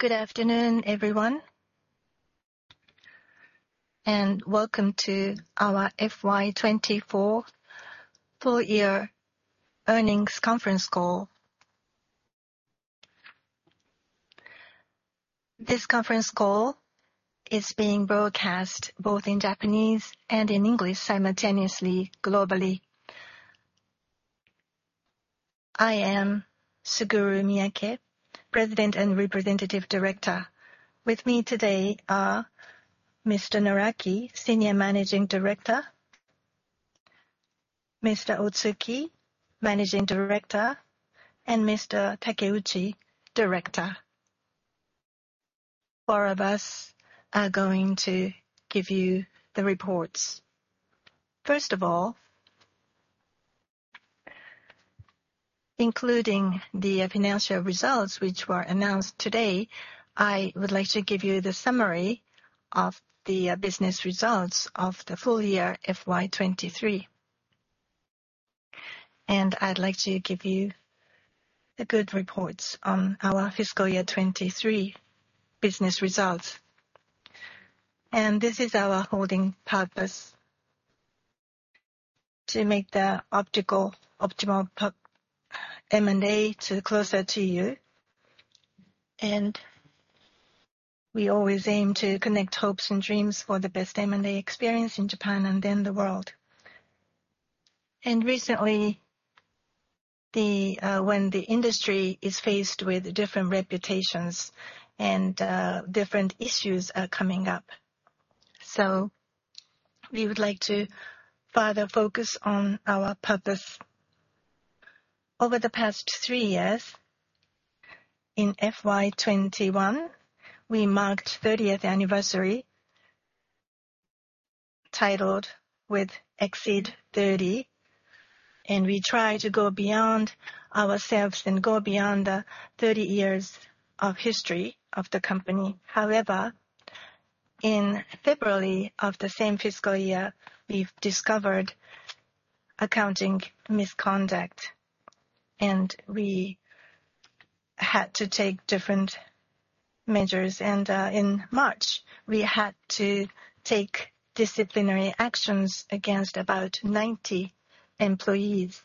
Good afternoon, everyone, and welcome to our FY2024 Full-Year Earnings Conference Call. This conference call is being broadcast both in Japanese and in English simultaneously, globally. I am Suguru Miyake, President and Representative Director. With me today are Mr. Naraki, Senior Managing Director, Mr. Otsuki, Managing Director, and Mr. Takeuchi, Director. Four of us are going to give you the reports. First of all, including the financial results which were announced today, I would like to give you the summary of the business results of the full-year FY2023. I'd like to give you the good reports on our fiscal year 2023 business results. This is our holding purpose: to make the optimal M&A closer to you. We always aim to connect hopes and dreams for the best M&A experience in Japan and then the world. Recently, when the industry is faced with different reputations and different issues are coming up, so we would like to further focus on our purpose. Over the past three years, in FY2021, we marked 30th anniversary titled with Exceed 30, and we tried to go beyond ourselves and go beyond the 30 years of history of the company. However, in February of the same fiscal year, we've discovered accounting misconduct, and we had to take different measures. In March, we had to take disciplinary actions against about 90 employees.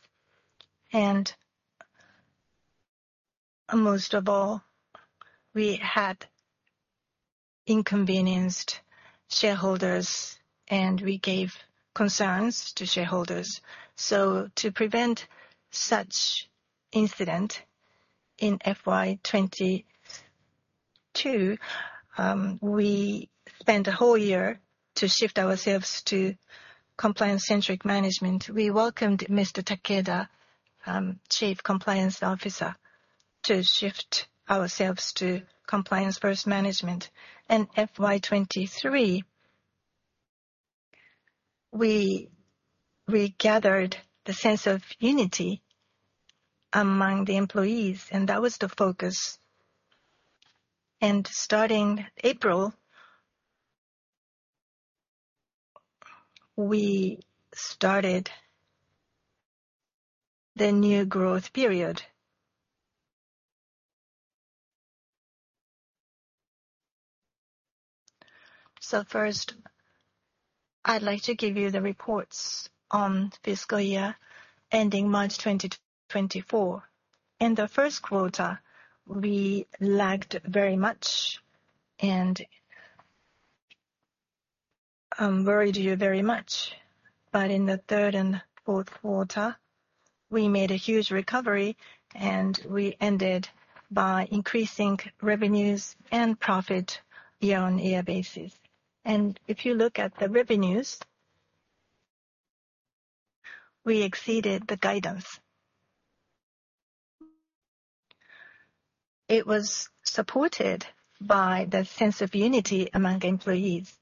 Most of all, we had inconvenienced shareholders, and we gave concerns to shareholders. To prevent such incident in FY2022, we spent a whole year to shift ourselves to compliance-centric management. We welcomed Mr. Takeda, Chief Compliance Officer, to shift ourselves to compliance-first management. In FY2023, we regathered the sense of unity among the employees, and that was the focus. Starting April, we started the new growth period. First, I'd like to give you the reports on fiscal year ending March 2024. In the first quarter, we lagged very much and worried you very much. In the third and Q4, we made a huge recovery, and we ended by increasing revenues and profit year-on-year basis. If you look at the revenues, we exceeded the guidance. It was supported by the sense of unity among employees.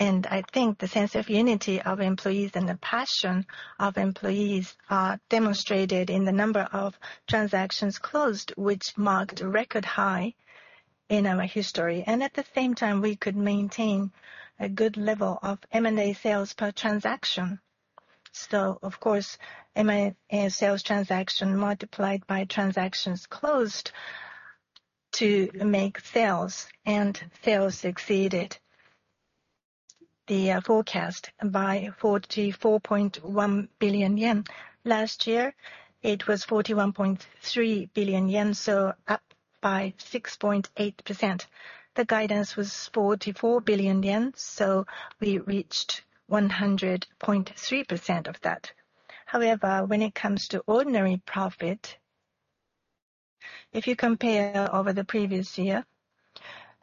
I think the sense of unity of employees and the passion of employees are demonstrated in the number of transactions closed, which marked a record high in our history. At the same time, we could maintain a good level of M&A sales per transaction. So, of course, M&A sales transaction multiplied by transactions closed to make sales, and sales exceeded the forecast by 44.1 billion yen. Last year, it was 41.3 billion yen, so up by 6.8%. The guidance was 44 billion yen, so we reached 100.3% of that. However, when it comes to ordinary profit, if you compare over the previous year,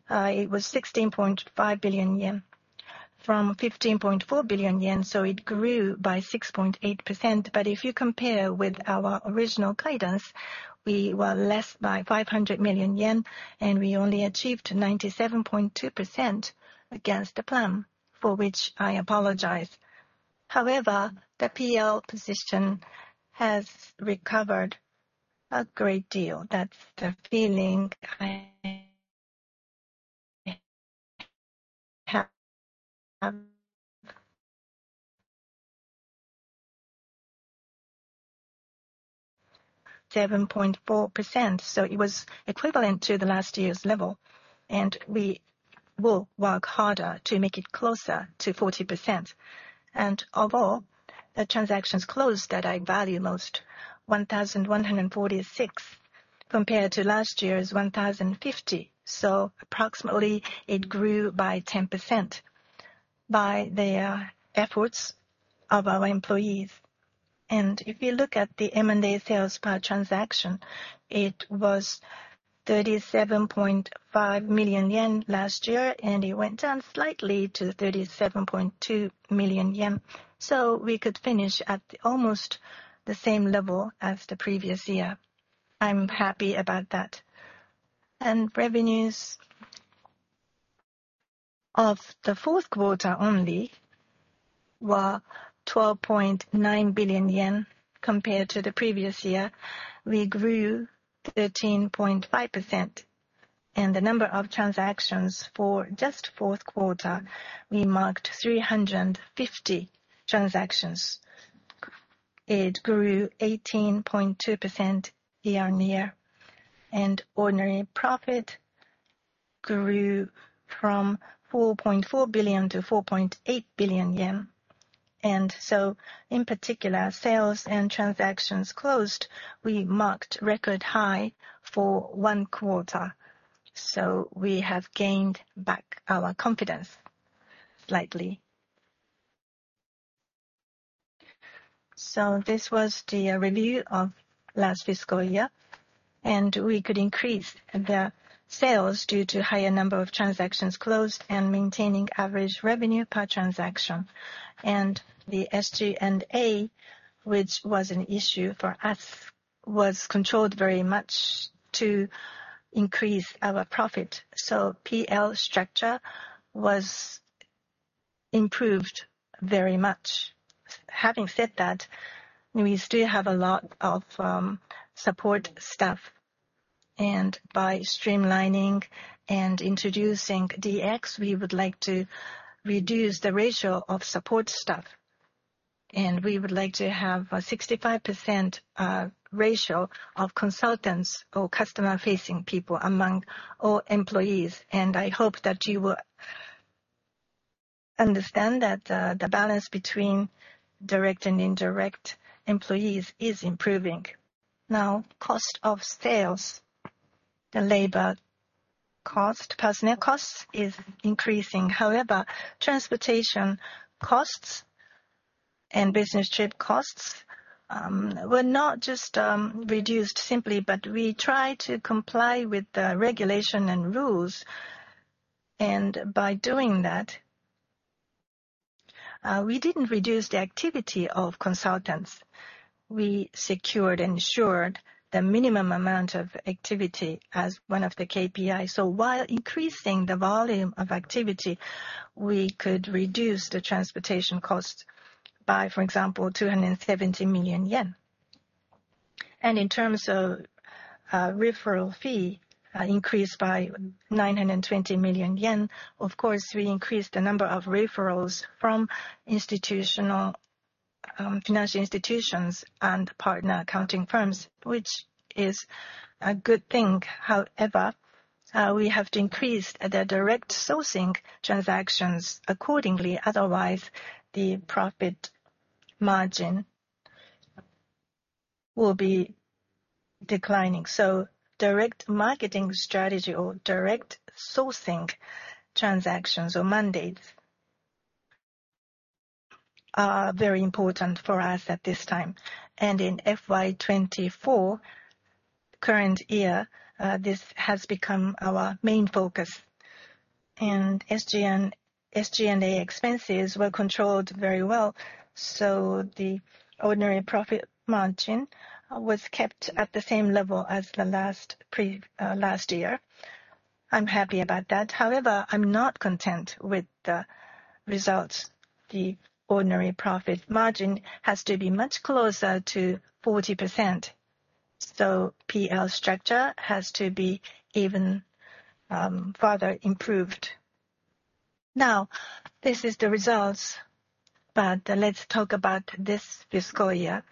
it was 16.5 from 15.4 billion, so it grew by 6.8%. But if you compare with our original guidance, we were less by 500 million yen, and we only achieved 97.2% against the plan, for which I apologize. However, the PL position has recovered a great deal. That's the feeling I have. 7.4%, so it was equivalent to the last year's level. And we will work harder to make it closer to 40%. Of all the transactions closed that I value most, 1,146 compared to last year's 1,050, so approximately it grew by 10% by the efforts of our employees. If you look at the M&A sales per transaction, it was 37.5 last year, and it went down slightly to 37.2 million, so we could finish at almost the same level as the previous year. I'm happy about that. Revenues of the Q4 only were 12.9 billion yen compared to the previous year. We grew 13.5%. The number of transactions for just Q4, we marked 350 transactions. It grew 18.2% year-on-year. Ordinary profit grew from 4.4 - 4.8 billion. So, in particular, sales and transactions closed, we marked record high for one quarter. We have gained back our confidence slightly. This was the review of last fiscal year. We could increase the sales due to a higher number of transactions closed and maintaining average revenue per transaction. The SG&A, which was an issue for us, was controlled very much to increase our profit. PL structure was improved very much. Having said that, we still have a lot of support staff. By streamlining and introducing DX, we would like to reduce the ratio of support staff. We would like to have a 65% ratio of consultants or customer-facing people among all employees. I hope that you will understand that the balance between direct and indirect employees is improving. Now, cost of sales, the labor cost, personnel cost is increasing. However, transportation costs and business trip costs were not just reduced simply, but we tried to comply with the regulation and rules. By doing that, we didn't reduce the activity of consultants. We secured and ensured the minimum amount of activity as one of the KPIs. So while increasing the volume of activity, we could reduce the transportation costs by, for example, 270 million yen. And in terms of referral fee, increased by 920 million yen, of course, we increased the number of referrals from institutional financial institutions and partner accounting firms, which is a good thing. However, we have to increase the direct sourcing transactions accordingly. Otherwise, the profit margin will be declining. So direct marketing strategy or direct sourcing transactions or mandates are very important for us at this time. And in FY2024, current year, this has become our main focus. And SG&A expenses were controlled very well, so the ordinary profit margin was kept at the same level as last year. I'm happy about that. However, I'm not content with the results. The ordinary profit margin has to be much closer to 40%, so PL structure has to be even further improved. Now, this is the results, but let's talk about this fiscal year.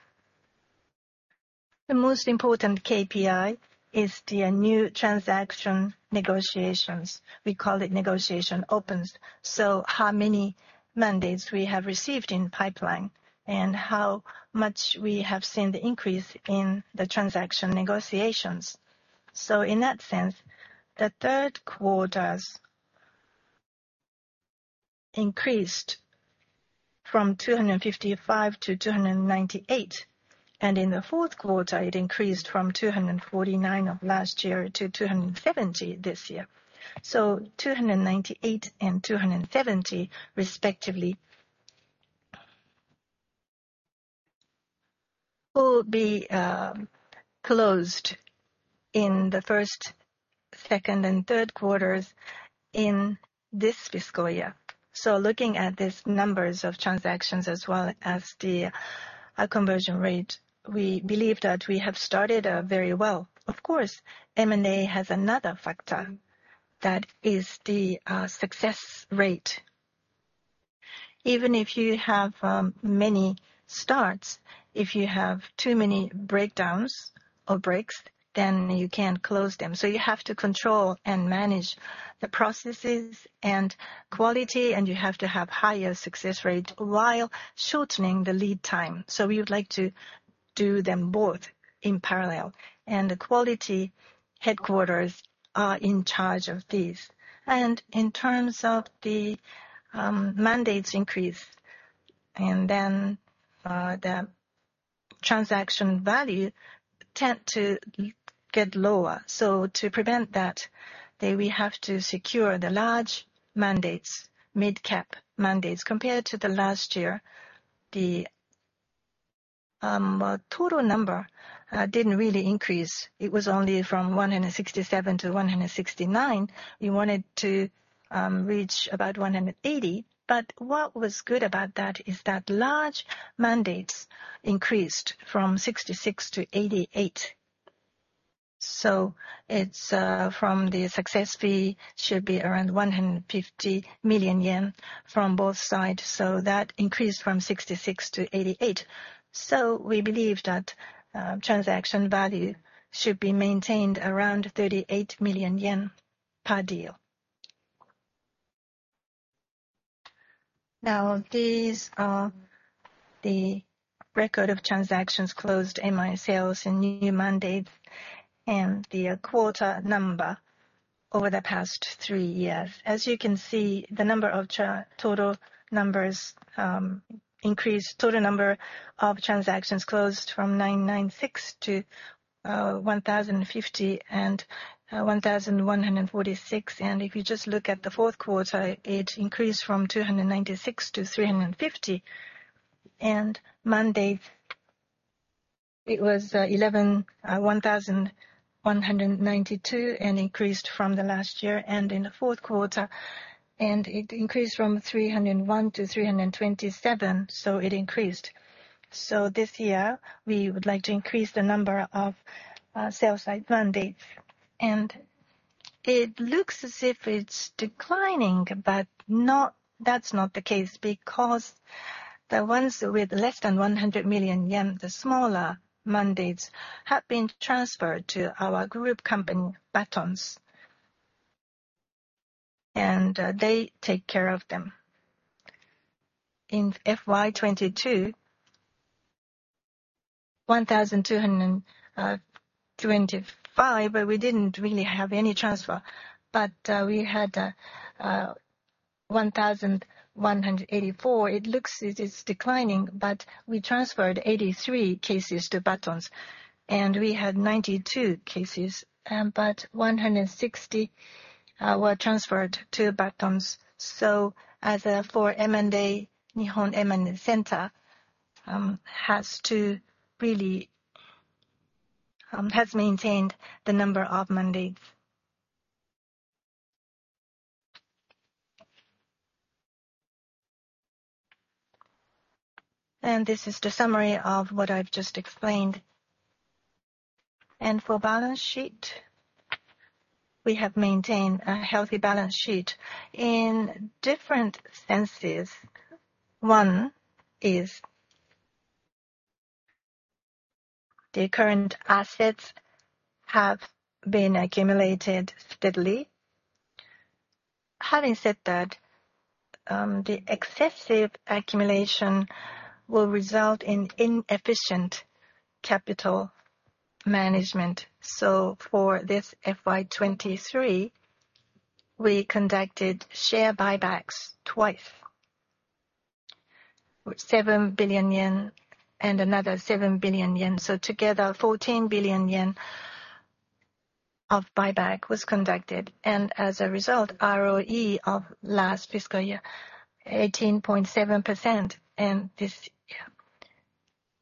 The most important KPI is the new transaction negotiations. We call it negotiation opens, so how many mandates we have received in pipeline and how much we have seen the increase in the transaction negotiations. So in that sense, the Q3 increased from 255 to 298, and in the Q4, it increased from 249 of last year to 270 this year. So 298 and 270, respectively, will be closed in the first, second, and Q3s in this fiscal year. So looking at these numbers of transactions as well as the conversion rate, we believe that we have started very well. Of course, M&A has another factor, that is the success rate. Even if you have many starts, if you have too many breakdowns or breaks, then you can't close them. So you have to control and manage the processes and quality, and you have to have higher success rates while shortening the lead time. So we would like to do them both in parallel, and the quality headquarters are in charge of these. And in terms of the mandates increase and then the transaction value tend to get lower. So to prevent that, we have to secure the large mandates, mid-cap mandates. Compared to the last year, the total number didn't really increase. It was only from 167 to 169. We wanted to reach about 180. But what was good about that is that large mandates increased from 66 to 88. So from the success fee, it should be around 150 million yen from both sides. So that increased from 66 to 88. So we believe that transaction value should be maintained around 38 million yen per deal. Now, these are the record of transactions closed, M&A sales, and new mandates, and the quarter number over the past three years. As you can see, the number of total numbers increased, total number of transactions closed from 996 to 1,050 and 1,146. If you just look at the Q4, it increased from 296 to 350. And mandates, it was 1,192 and increased from the last year and in the Q4. And it increased from 301 to 327, so it increased. So this year, we would like to increase the number of sales-site mandates. It looks as if it's declining, but that's not the case because the ones with less than 100 million yen, the smaller mandates, have been transferred to our group company, Batonz, and they take care of them. In FY2022, 1,225, but we didn't really have any transfer. But we had 1,184. It looks it is declining, but we transferred 83 cases to Batonz, and we had 92 cases, but 160 were transferred to Batonz. So for Nihon M&A Center, it has to really has maintained the number of mandates. And this is the summary of what I've just explained. For balance sheet, we have maintained a healthy balance sheet. In different senses, one is the current assets have been accumulated steadily. Having said that, the excessive accumulation will result in inefficient capital management. So for this FY2023, we conducted share buybacks twice, 7 and another 7 billion. So together, 14 billion yen of buyback was conducted. As a result, ROE of last fiscal year, 18.7% and this year,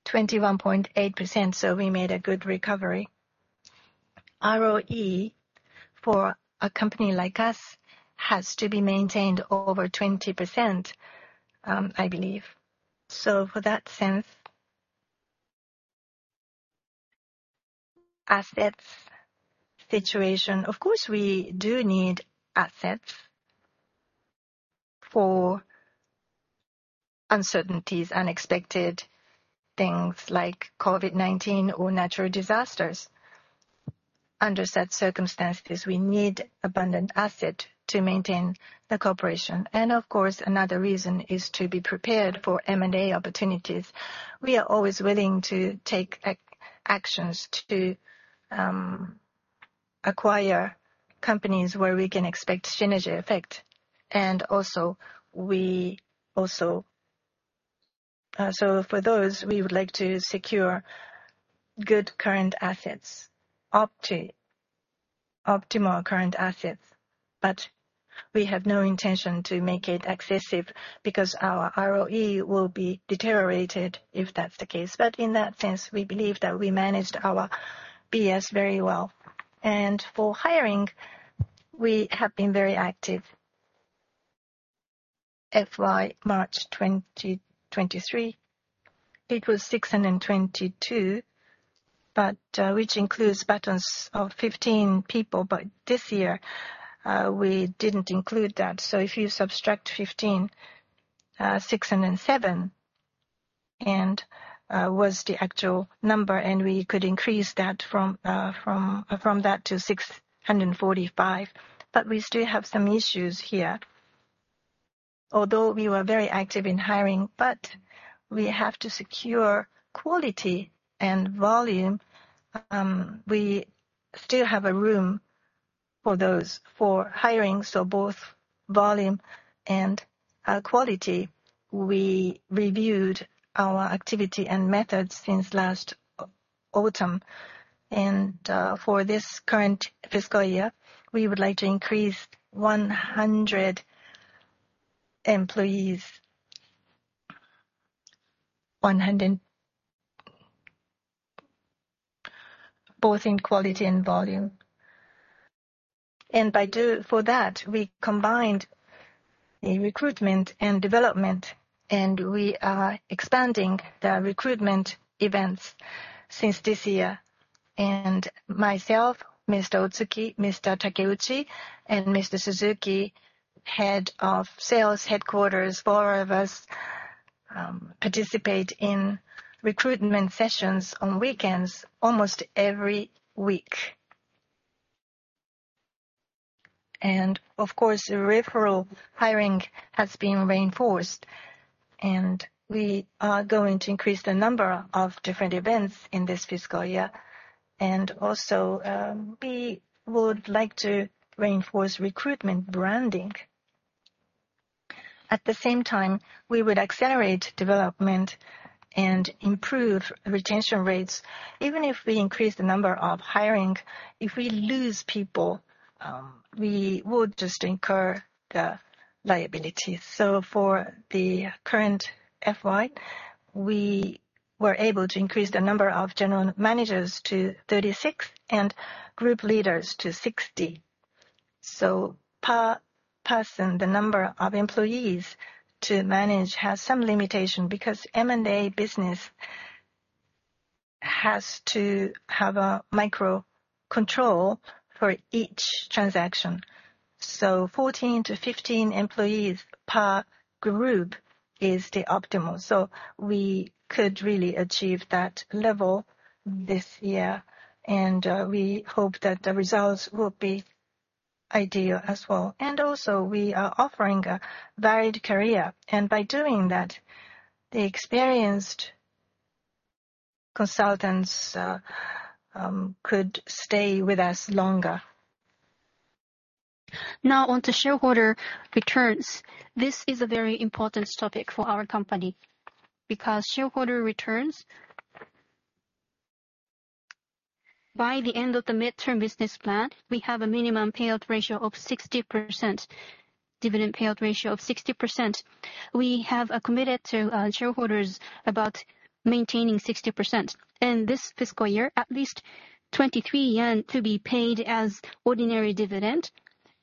21.8%. So we made a good recovery. ROE for a company like us has to be maintained over 20%, I believe. So for that sense, assets situation, of course, we do need assets for uncertainties, unexpected things like COVID-19 or natural disasters. Under such circumstances, we need abundant assets to maintain the corporation. Of course, another reason is to be prepared for M&A opportunities. We are always willing to take actions to acquire companies where we can expect synergy effect. And also, for those, we would like to secure good current assets, optimal current assets. But we have no intention to make it excessive because our ROE will be deteriorated if that's the case. But in that sense, we believe that we managed our BS very well. And for hiring, we have been very active. FY March 2023, it was 622, which includes Batonz of 15 people. But this year, we didn't include that. So if you subtract 15, 607 was the actual number, and we could increase that from that to 645. But we still have some issues here, although we were very active in hiring. But we have to secure quality and volume. We still have room for those, for hiring. So both volume and quality, we reviewed our activity and methods since last autumn. And for this current fiscal year, we would like to increase 100 employees, both in quality and volume. For that, we combined the recruitment and development, and we are expanding the recruitment events since this year. Myself, Mr. Otsuki, Mr. Takeuchi, and Mr. Suzuki, Head of Sales Headquarters, four of us participate in recruitment sessions on weekends almost every week. Of course, referral hiring has been reinforced, and we are going to increase the number of different events in this fiscal year. Also, we would like to reinforce recruitment branding. At the same time, we would accelerate development and improve retention rates. Even if we increase the number of hiring, if we lose people, we would just incur the liabilities. For the current FY, we were able to increase the number of general managers to 36 and group leaders to 60. Per person, the number of employees to manage has some limitation because M&A business has to have a microcontrol for each transaction. 14-15 employees per group is the optimal. We could really achieve that level this year, and we hope that the results will be ideal as well. We are offering a varied career. By doing that, the experienced consultants could stay with us longer. Now, onto shareholder returns. This is a very important topic for our company because shareholder returns, by the end of the mid-term business plan, we have a minimum payout ratio of 60%, dividend payout ratio of 60%. We have committed to shareholders about maintaining 60% in this fiscal year, at least 23 yen to be paid as ordinary dividend.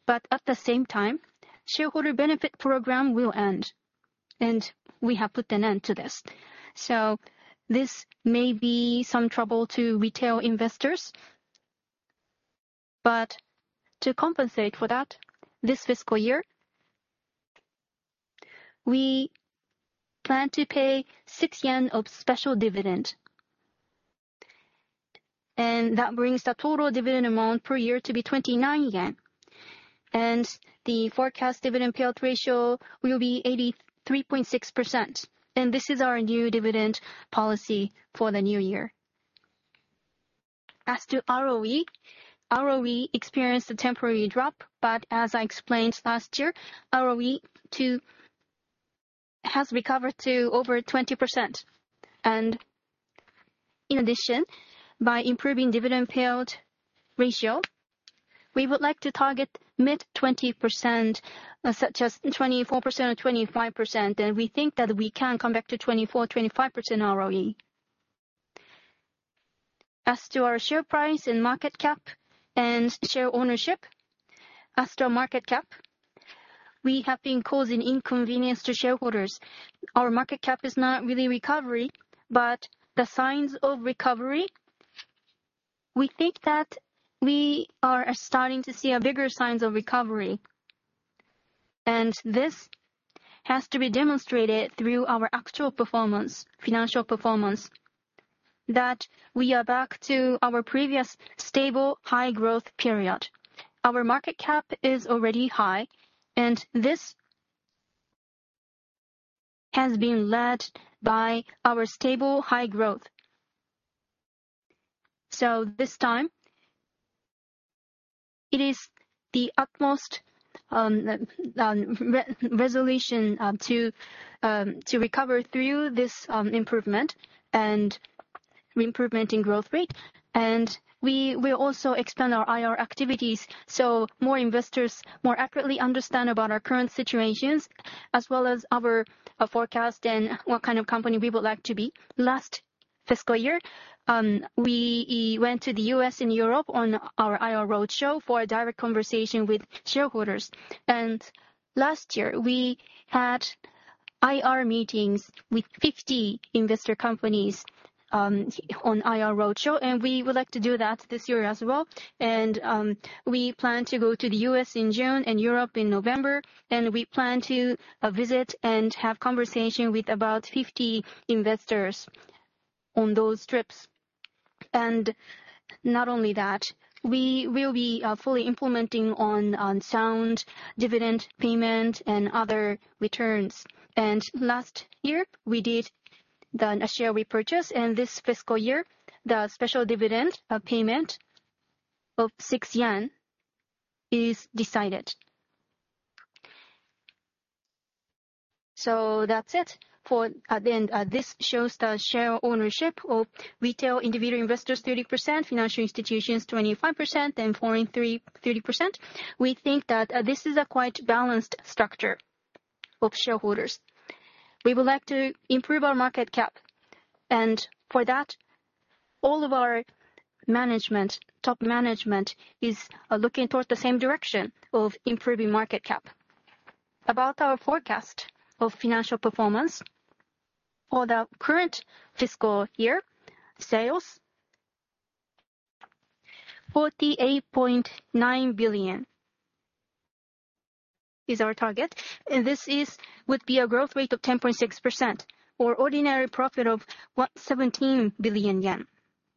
At the same time, shareholder benefit program will end, and we have put an end to this. So this may be some trouble to retail investors. But to compensate for that, this fiscal year, we plan to pay 6 yen of special dividend. And that brings the total dividend amount per year to be 29 yen. And the forecast dividend payout ratio will be 83.6%. And this is our new dividend policy for the new year. As to ROE, ROE experienced a temporary drop, but as I explained last year, ROE has recovered to over 20%. And in addition, by improving dividend payout ratio, we would like to target mid-20%, such as 24% or 25%. And we think that we can come back to 24%-25% ROE. As to our share price and market cap and share ownership, as to our market cap, we have been causing inconvenience to shareholders. Our market cap is not really recovery, but the signs of recovery. We think that we are starting to see bigger signs of recovery. This has to be demonstrated through our actual performance, financial performance, that we are back to our previous stable, high growth period. Our market cap is already high, and this has been led by our stable, high growth. This time, it is the utmost resolution to recover through this improvement and improvement in growth rate. We will also expand our IR activities so more investors more accurately understand about our current situations as well as our forecast and what kind of company we would like to be. Last fiscal year, we went to the U.S. and Europe on our IR roadshow for a direct conversation with shareholders. Last year, we had IR meetings with 50 investor companies on IR roadshow, and we would like to do that this year as well. We plan to go to the U.S. in June and Europe in November, and we plan to visit and have conversation with about 50 investors on those trips. Not only that, we will be fully implementing on sound dividend payment and other returns. Last year, we did a share repurchase. This fiscal year, the special dividend payment of 6 yen is decided. So that's it. This shows the share ownership of retail individual investors 30%, financial institutions 25%, and foreign 30%. We think that this is a quite balanced structure of shareholders. We would like to improve our market cap. For that, all of our management, top management, is looking towards the same direction of improving market cap. About our forecast of financial performance for the current fiscal year, sales, JPY 48.9 billion is our target. This would be a growth rate of 10.6% or ordinary profit of 17 billion yen.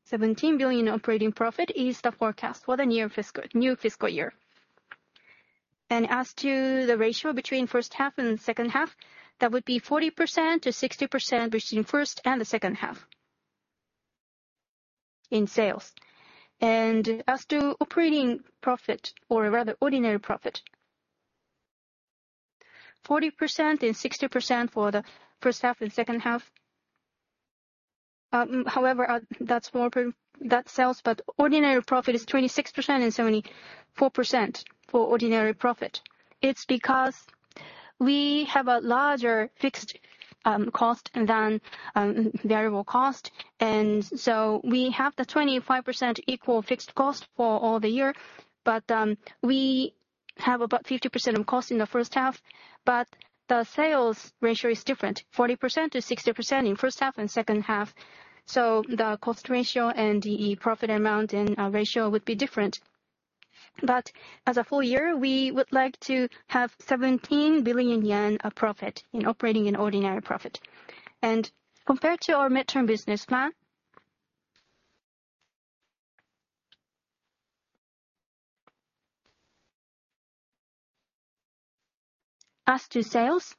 17 billion operating profit is the forecast for the new fiscal year. As to the ratio between first half and second half, that would be 40%-60% between first and the second half in sales. As to operating profit, or rather ordinary profit, 40% and 60% for the first half and second half. However, that sells, but ordinary profit is 26% and 74% for ordinary profit. It's because we have a larger fixed cost than variable cost. So we have the 25% equal fixed cost for all the year, but we have about 50% of cost in the first half. But the sales ratio is different, 40%-60% in first half and second half. The cost ratio and the profit amount and ratio would be different. As a full year, we would like to have 17 billion yen of profit in operating and ordinary profit. Compared to our mid-term business plan, as to sales,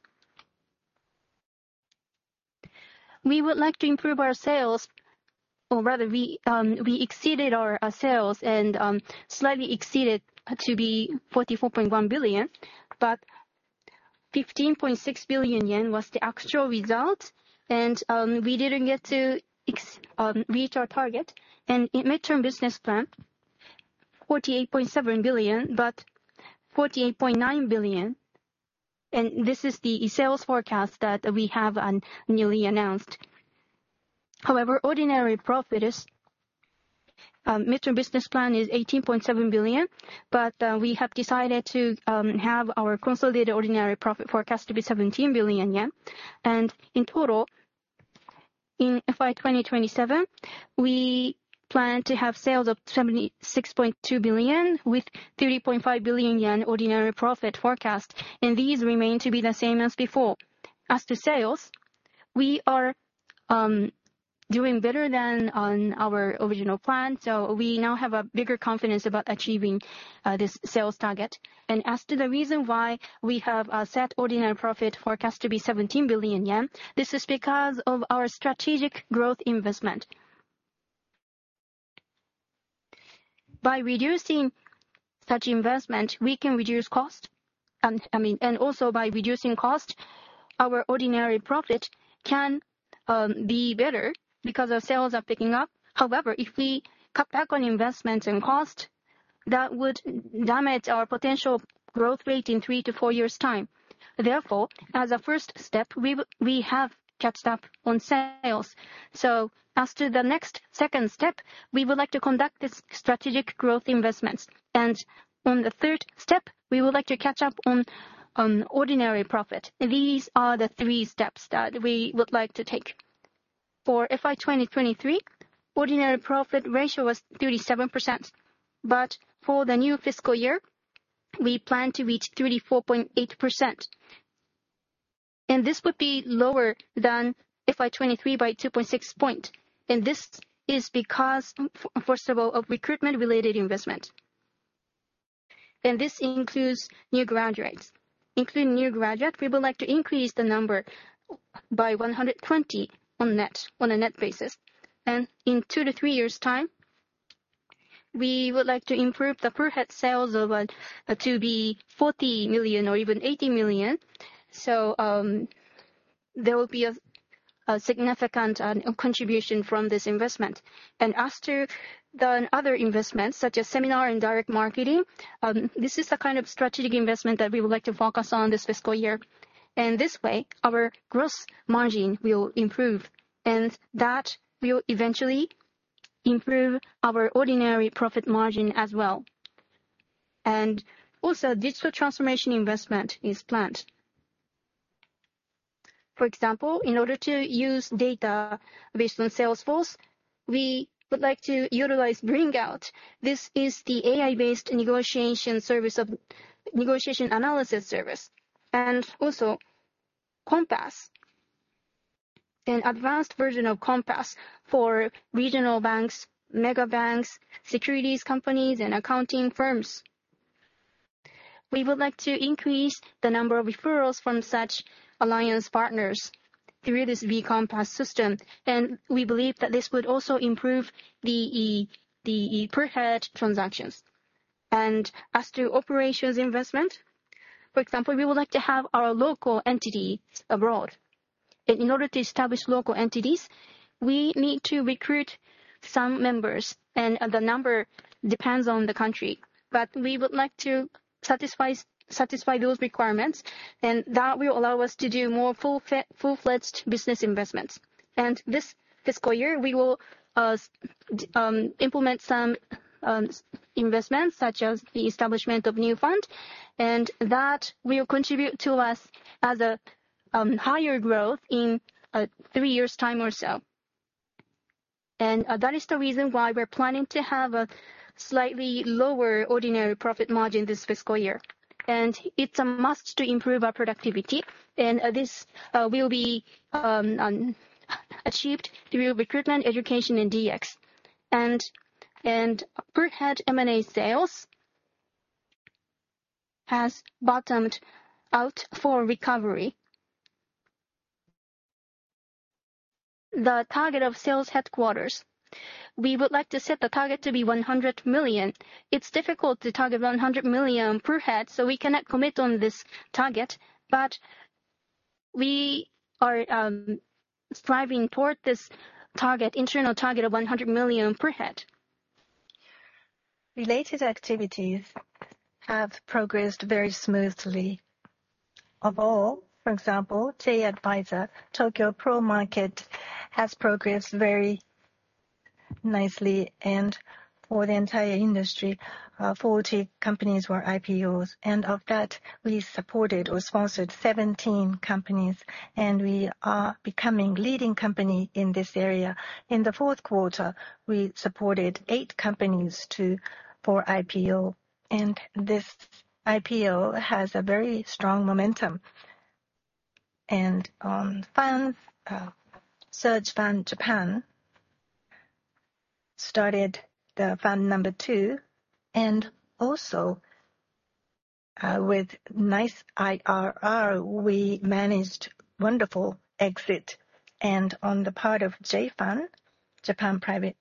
we would like to improve our sales. Or rather, we exceeded our sales and slightly exceeded to be 44.1 billion. 15.6 billion yen was the actual result, and we didn't get to reach our target. In mid-term business plan, 48.7 billion, but 48.9 billion. This is the sales forecast that we have newly announced. However, ordinary profit is mid-term business plan is 18.7 billion, but we have decided to have our consolidated ordinary profit forecast to be 17 billion yen. In total, in FY 2027, we plan to have sales of 76.2 with 30.5 billion ordinary profit forecast. These remain to be the same as before. As to sales, we are doing better than on our original plan. So we now have a bigger confidence about achieving this sales target. And as to the reason why we have a set ordinary profit forecast to be 17 billion yen, this is because of our strategic growth investment. By reducing such investment, we can reduce cost. I mean, and also by reducing cost, our ordinary profit can be better because our sales are picking up. However, if we cut back on investment and cost, that would damage our potential growth rate in three to four years' time. Therefore, as a first step, we have caught up on sales. As to the next second step, we would like to conduct this strategic growth investments. On the third step, we would like to catch up on ordinary profit. These are the three steps that we would like to take. For FY 2023, ordinary profit ratio was 37%. But for the new fiscal year, we plan to reach 34.8%. This would be lower than FY 2023 by 2.6 points. This is because, first of all, of recruitment-related investment. This includes new graduates. Including new graduates, we would like to increase the number by 120 on a net basis. In two to three years' time, we would like to improve the per head sales to be 40 or even 80 million. So there will be a significant contribution from this investment. As to the other investments, such as seminar and direct marketing, this is the kind of strategic investment that we would like to focus on this fiscal year. This way, our gross margin will improve, and that will eventually improve our ordinary profit margin as well. Also, digital transformation investment is planned. For example, in order to use data based on Salesforce, we would like to utilize BringOut. This is the AI-based negotiation analysis service. Also, V-Compass, an advanced version of Compass for regional banks, mega banks, securities companies, and accounting firms. We would like to increase the number of referrals from such alliance partners through this V-Compass system. We believe that this would also improve the per head transactions. As to operations investment, for example, we would like to have our local entity abroad. In order to establish local entities, we need to recruit some members. The number depends on the country. But we would like to satisfy those requirements, and that will allow us to do more full-fledged business investments. This fiscal year, we will implement some investments, such as the establishment of new funds. That will contribute to higher growth in three years' time or so. That is the reason why we're planning to have a slightly lower ordinary profit margin this fiscal year. It is a must to improve our productivity. This will be achieved through recruitment, education, and DX. Per head M&A sales has bottomed out for recovery. The target of sales headquarters, we would like to set the target to be 100 million. It is difficult to target 100 million per head, so we cannot commit on this target. We are striving towards this internal target of 100 million per head. Related activities have progressed very smoothly. Of all, for example, J-Adviser, Tokyo Pro Market has progressed very nicely. And for the entire industry, 40 companies were IPOs. And of that, we supported or sponsored 17 companies. And we are becoming a leading company in this area. In the Q4, we supported 8 companies for IPO. And this IPO has a very strong momentum. And Search Fund Japan started the fund number 2. And also, with nice IRR, we managed a wonderful exit. And on the part of JFund, Japan Private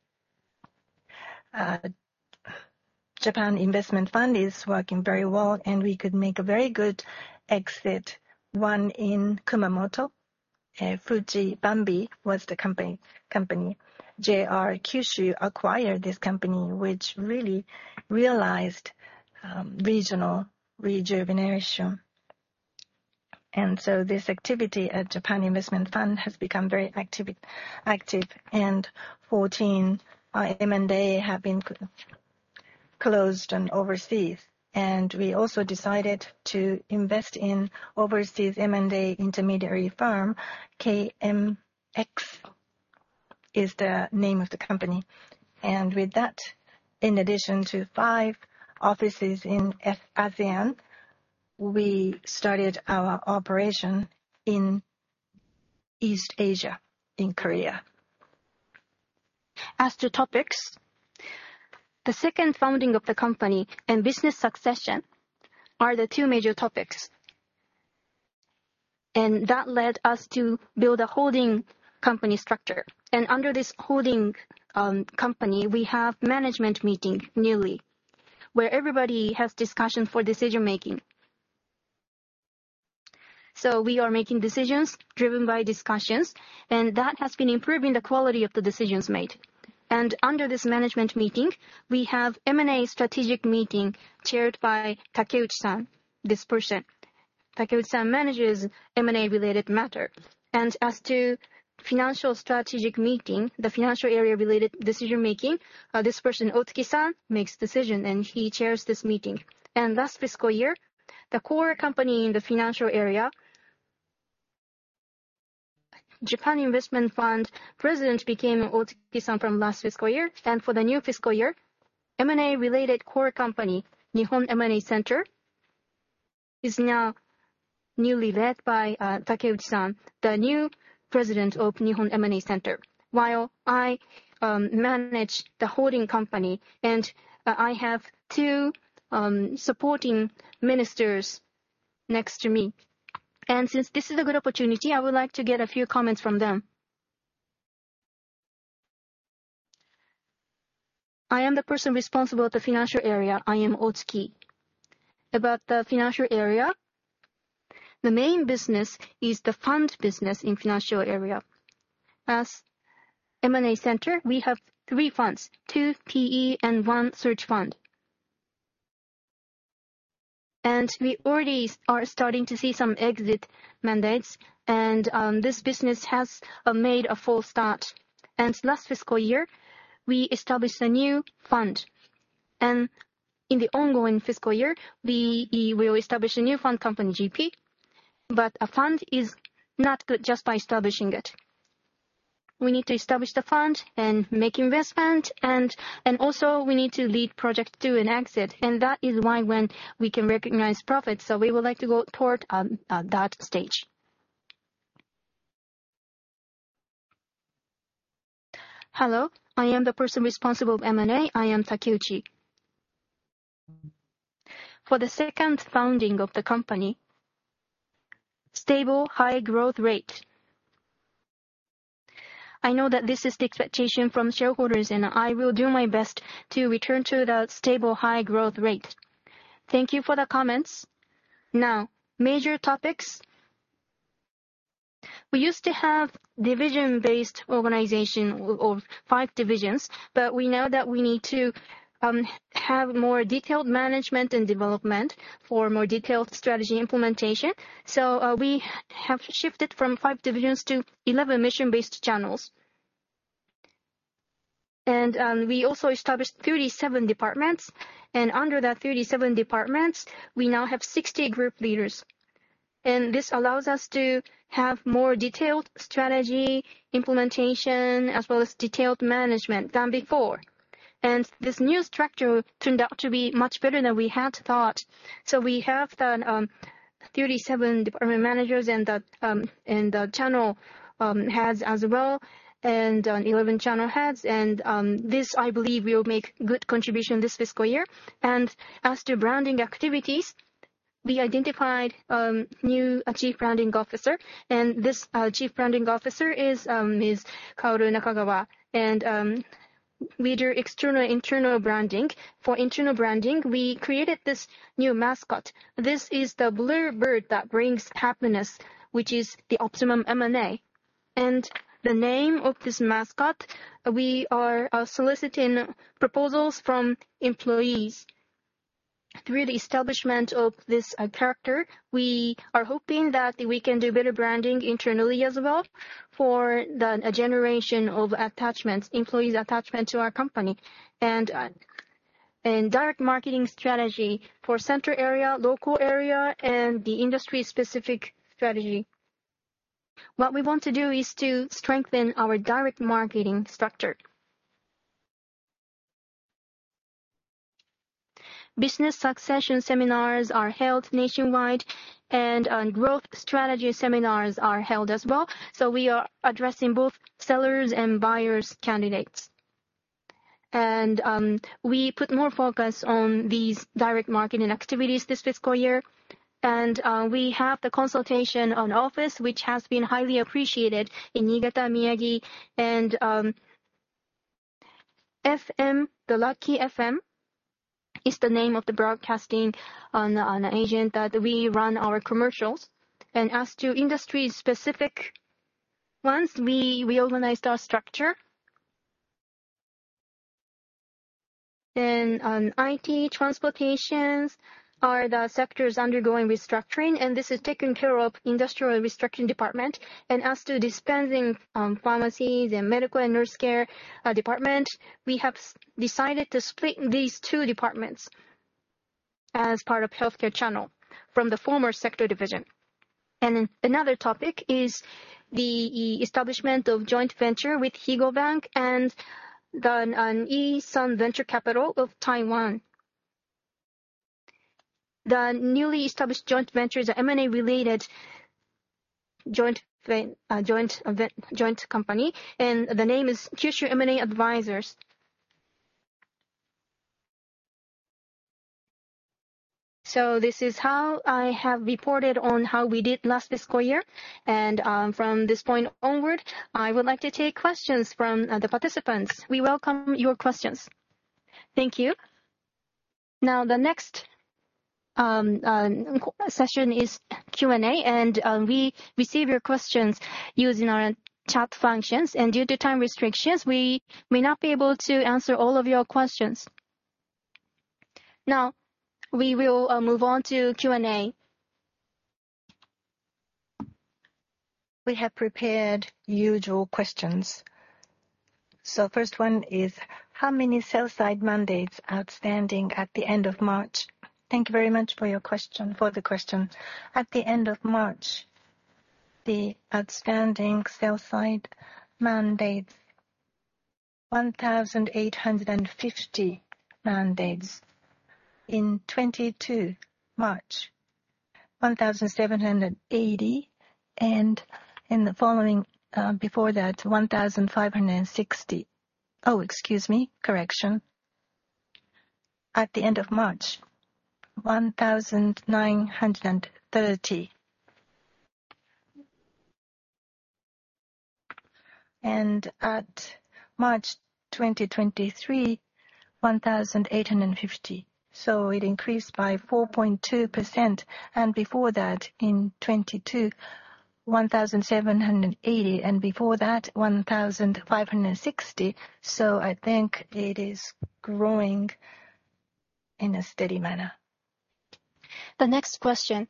Investment Fund is working very well, and we could make a very good exit. 1 in Kumamoto, Fujibambi was the company. JR Kyushu acquired this company, which really realized regional rejuvenation. And so this activity at Japan Investment Fund has become very active. 14 M&A have been closed overseas. We also decided to invest in an overseas M&A intermediary firm. KMX is the name of the company. With that, in addition to five offices in ASEAN, we started our operation in East Asia, in Korea. As to topics, the second founding of the company and business succession are the two major topics. That led us to build a holding company structure. Under this holding company, we have management meetings newly, where everybody has discussions for decision-making. We are making decisions driven by discussions, and that has been improving the quality of the decisions made. Under this management meeting, we have an M&A strategic meeting chaired by Takeuchi-san, this person. Takeuchi-san manages M&A-related matters. As to the financial strategic meeting, the financial area-related decision-making, this person, Otsuki-san, makes decisions, and he chairs this meeting. Last fiscal year, the core company in the financial area, Japan Investment Fund President became Otsuki-san from last fiscal year. For the new fiscal year, M&A-related core company, Nihon M&A Center, is now newly led by Takeuchi-san, the new President of Nihon M&A Center. While I manage the holding company, I have two supporting ministers next to me. Since this is a good opportunity, I would like to get a few comments from them. I am the person responsible for the financial area. I am Otsuki. About the financial area, the main business is the fund business in the financial area. As M&A Center, we have three funds, two PE and one search fund. We already are starting to see some exit mandates. This business has made a full start. Last fiscal year, we established a new fund. In the ongoing fiscal year, we will establish a new fund company, GP. But a fund is not good just by establishing it. We need to establish the fund and make investments. Also, we need to lead project two and exit. And that is why when we can recognize profits. We would like to go towards that stage. Hello. I am the person responsible for M&A. I am Takeuchi. For the second founding of the company, stable high growth rate. I know that this is the expectation from shareholders, and I will do my best to return to the stable high growth rate. Thank you for the comments. Now, major topics. We used to have a division-based organization of five divisions, but we know that we need to have more detailed management and development for more detailed strategy implementation. We have shifted from five divisions to 11 mission-based channels. We also established 37 departments. Under that 37 departments, we now have 60 group leaders. This allows us to have more detailed strategy implementation, as well as detailed management than before. This new structure turned out to be much better than we had thought. We have 37 department managers, and the channel heads as well, and 11 channel heads. This, I believe, will make a good contribution this fiscal year. As to branding activities, we identified a new Chief Branding Officer. This Chief Branding Officer is Kaoru Nakagawa. We do external and internal branding. For internal branding, we created this new mascot. This is the blue bird that brings happiness, which is the optimum M&A. The name of this mascot, we are soliciting proposals from employees. Through the establishment of this character, we are hoping that we can do better branding internally as well for a generation of employees' attachment to our company. Direct marketing strategy for the center area, local area, and the industry-specific strategy. What we want to do is to strengthen our direct marketing structure. Business succession seminars are held nationwide, and growth strategy seminars are held as well. So we are addressing both sellers and buyers' candidates. We put more focus on these direct marketing activities this fiscal year. We have the consultation office, which has been highly appreciated in Niigata, Miyagi. FM, the Lucky FM, is the name of the broadcasting agent that we run our commercials. As to industry-specific ones, we organized our structure. IT, transportation are the sectors undergoing restructuring. This is taken care of by the Industrial Restructuring Department. As to dispensing pharmacies and medical and nurse care departments, we have decided to split these two departments as part of the healthcare channel from the former sector division. Another topic is the establishment of joint venture with Higo Bank and the E.SUN Venture Capital of Taiwan. The newly established joint venture is an M&A-related joint company, and the name is Kyushu M&A Advisors. This is how I have reported on how we did last fiscal year. From this point onward, I would like to take questions from the participants. We welcome your questions. Thank you. Now, the next session is Q&A. We receive your questions using our chat functions. Due to time restrictions, we may not be able to answer all of your questions. Now, we will move on to Q&A. We have prepared usual questions. So the first one is, how many sell-side mandates are outstanding at the end of March? Thank you very much for the question. At the end of March, the outstanding sell-side mandates, 1,850 mandates in March 2022, 1,780. And before that, 1,560. Oh, excuse me. Correction. At the end of March, 1,930. And at March 2023, 1,850. So it increased by 4.2%. And before that, in 2022, 1,780. And before that, 1,560. So I think it is growing in a steady manner. The next question.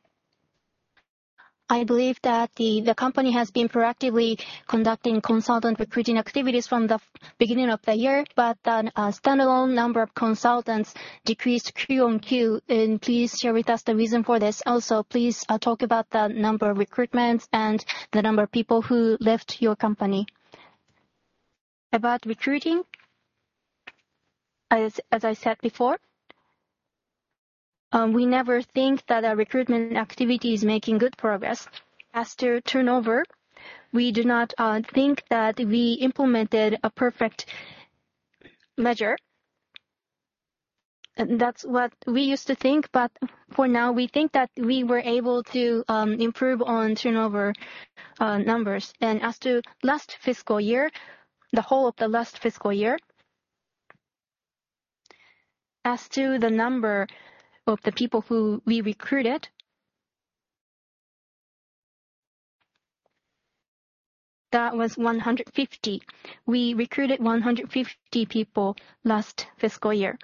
I believe that the company has been proactively conducting consultant recruiting activities from the beginning of the year, but the standalone number of consultants decreased quarter-over-quarter. And please share with us the reason for this. Also, please talk about the number of recruitments and the number of people who left your company. About recruiting, as I said before, we never think that our recruitment activity is making good progress. As to turnover, we do not think that we implemented a perfect measure. That's what we used to think. But for now, we think that we were able to improve on turnover numbers. As to last fiscal year, the whole of the last fiscal year, as to the number of the people who we recruited, that was 150. We recruited 150 people last fiscal year.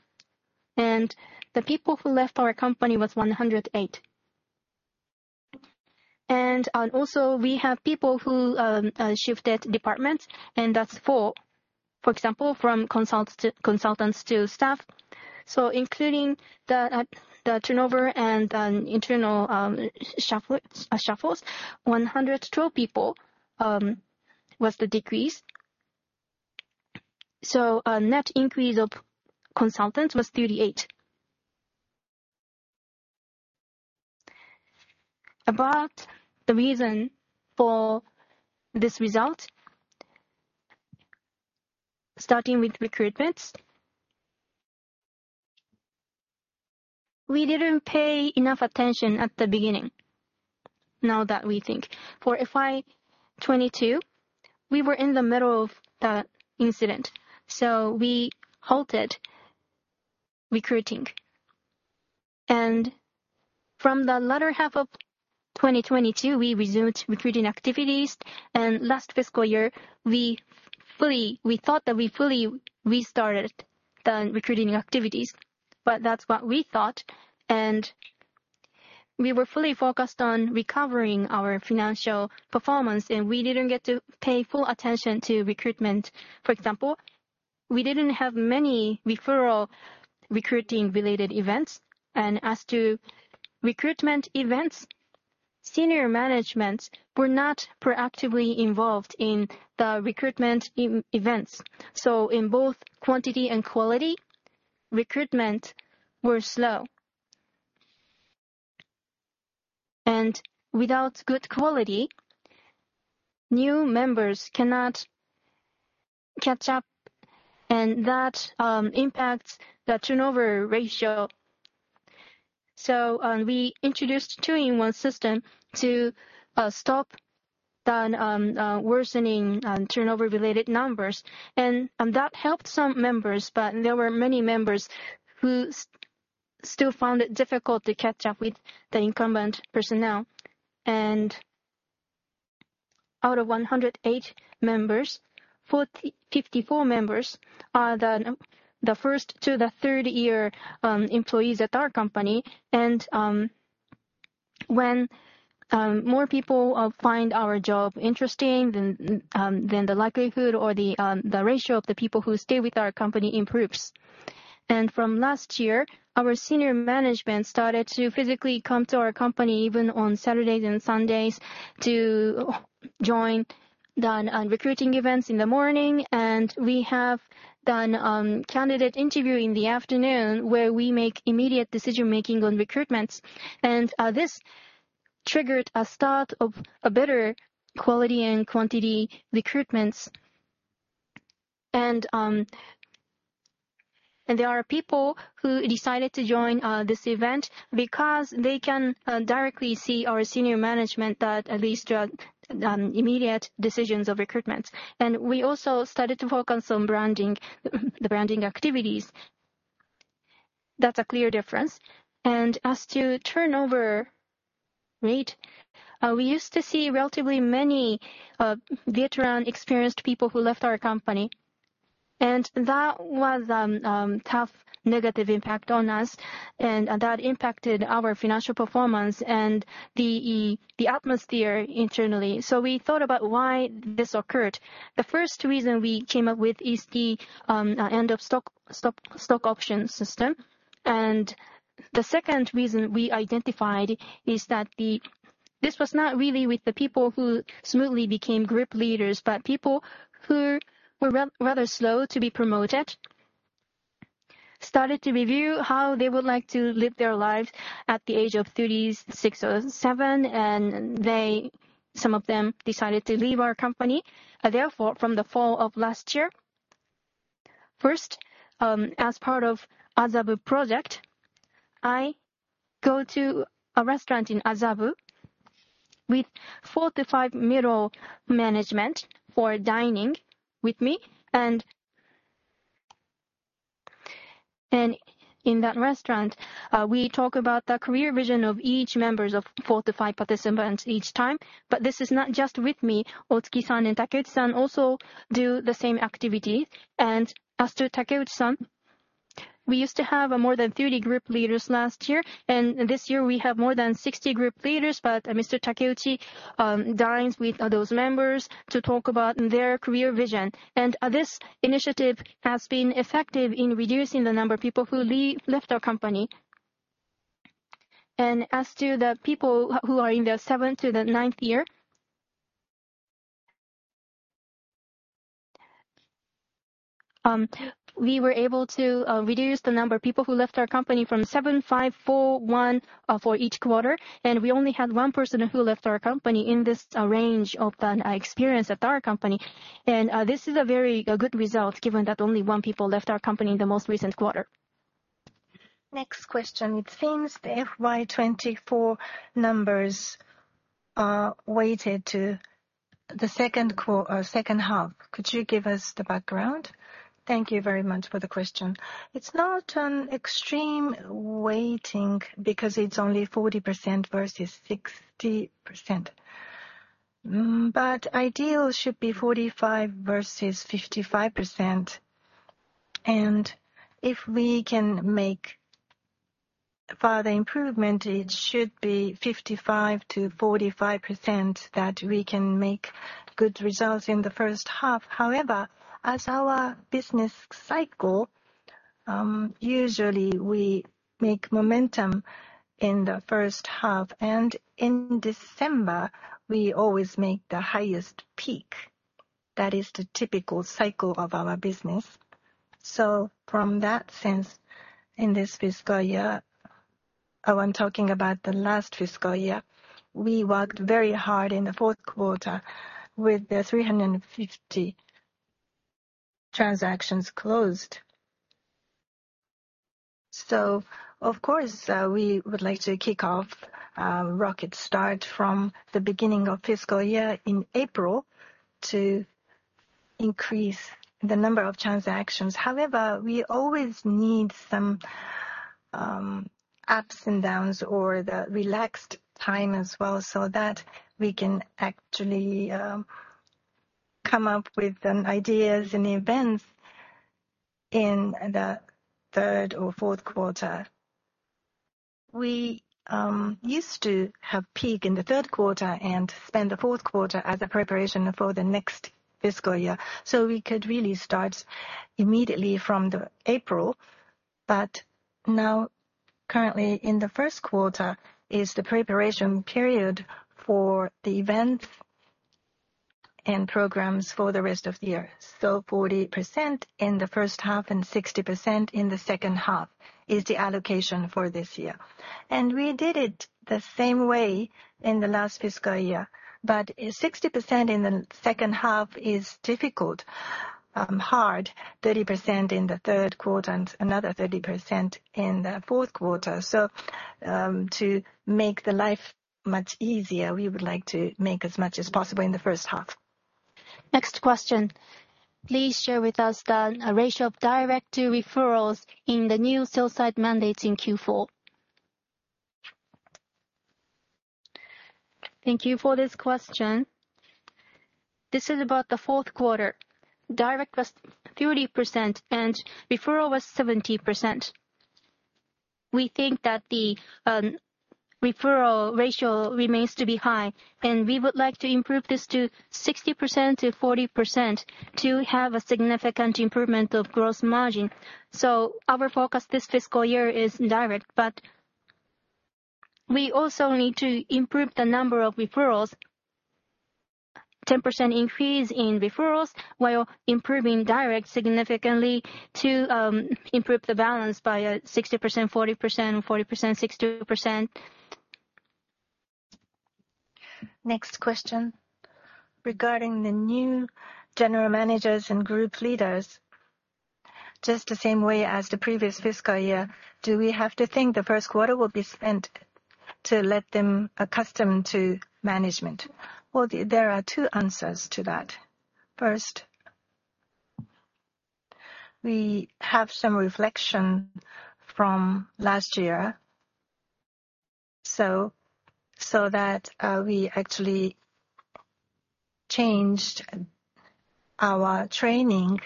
The people who left our company was 108. Also, we have people who shifted departments. That's 4, for example, from consultants to staff. Including the turnover and internal shuffles, 112 people was the decrease. A net increase of consultants was 38. About the reason for this result, starting with recruitments, we didn't pay enough attention at the beginning, now that we think. For FY 2022, we were in the middle of the incident. We halted recruiting. From the latter half of 2022, we resumed recruiting activities. Last fiscal year, we thought that we fully restarted the recruiting activities. But that's what we thought. We were fully focused on recovering our financial performance, and we didn't get to pay full attention to recruitment. For example, we didn't have many referral recruiting-related events. As to recruitment events, senior management were not proactively involved in the recruitment events. In both quantity and quality, recruitments were slow. Without good quality, new members cannot catch up, and that impacts the turnover ratio. We introduced a two-in-one system to stop the worsening turnover-related numbers. That helped some members, but there were many members who still found it difficult to catch up with the incumbent personnel. Out of 108 members, 54 members are the first- to third-year employees at our company. When more people find our job interesting, then the likelihood or the ratio of the people who stay with our company improves. From last year, our senior management started to physically come to our company, even on Saturdays and Sundays, to join the recruiting events in the morning. We have the candidate interview in the afternoon, where we make immediate decision-making on recruitments. This triggered a start of better quality and quantity recruitments. There are people who decided to join this event because they can directly see our senior management at least draw immediate decisions of recruitments. We also started to focus on the branding activities. That's a clear difference. As to turnover rate, we used to see relatively many veteran, experienced people who left our company. That was a tough negative impact on us. That impacted our financial performance and the atmosphere internally. We thought about why this occurred. The first reason we came up with is the end-of-stock options system. The second reason we identified is that this was not really with the people who smoothly became group leaders, but people who were rather slow to be promoted started to review how they would like to live their lives at the age of 36 or 37. Some of them decided to leave our company. Therefore, from the fall of last year, first, as part of Azabu Project, I go to a restaurant in Azabu with four to five middle management for dining with me. In that restaurant, we talk about the career vision of each member of four to five participants each time. But this is not just with me. Otsuki-san and Takeuchi-san also do the same activities. As to Takeuchi-san, we used to have more than 30 group leaders last year. This year, we have more than 60 group leaders. But Mr. Takeuchi dines with those members to talk about their career vision. This initiative has been effective in reducing the number of people who left our company. As to the people who are in their seventh to the ninth year, we were able to reduce the number of people who left our company from 7,541 for each quarter. We only had one person who left our company in this range of experience at our company. This is a very good result, given that only one person left our company in the most recent quarter. Next question. It seems the FY 2024 numbers weighted to the second half. Could you give us the background? Thank you very much for the question. It's not an extreme weighting because it's only 40% versus 60%. But ideal should be 45% versus 55%. And if we can make further improvement, it should be 55% to 45% that we can make good results in the first half. However, as our business cycle usually, we make momentum in the first half. And in December, we always make the highest peak. That is the typical cycle of our business. So from that sense, in this fiscal year, I'm talking about the last fiscal year, we worked very hard in Q4 with 350 transactions closed. Of course, we would like to kick off a rocket start from the beginning of fiscal year in April to increase the number of transactions. However, we always need some ups and downs or the relaxed time as well so that we can actually come up with ideas and events in the third or Q4. We used to have a peak in the Q3 and spend the Q4 as a preparation for the next fiscal year. So we could really start immediately from April. But now, currently, in the first quarter is the preparation period for the events and programs for the rest of the year. So 40% in the first half and 60% in the second half is the allocation for this year. We did it the same way in the last fiscal year. But 60% in the second half is difficult, hard, 30% in the Q3 and another 30% in the Q4. So to make the life much easier, we would like to make as much as possible in the first half. Next question. Please share with us the ratio of direct-to-referrals in the new sell-side mandates in Q4. Thank you for this question. This is about the Q4. Direct was 30% and referral was 70%. We think that the referral ratio remains to be high. And we would like to improve this to 60%-40% to have a significant improvement of gross margin. So our focus this fiscal year is direct. But we also need to improve the number of referrals, a 10% increase in referrals while improving direct significantly to improve the balance by 60%, 40%, 40%, 60%. Next question. Regarding the new general managers and group leaders, just the same way as the previous fiscal year, do we have to think the first quarter will be spent to let them accustom to management? Well, there are two answers to that. First, we have some reflection from last year so that we actually changed our training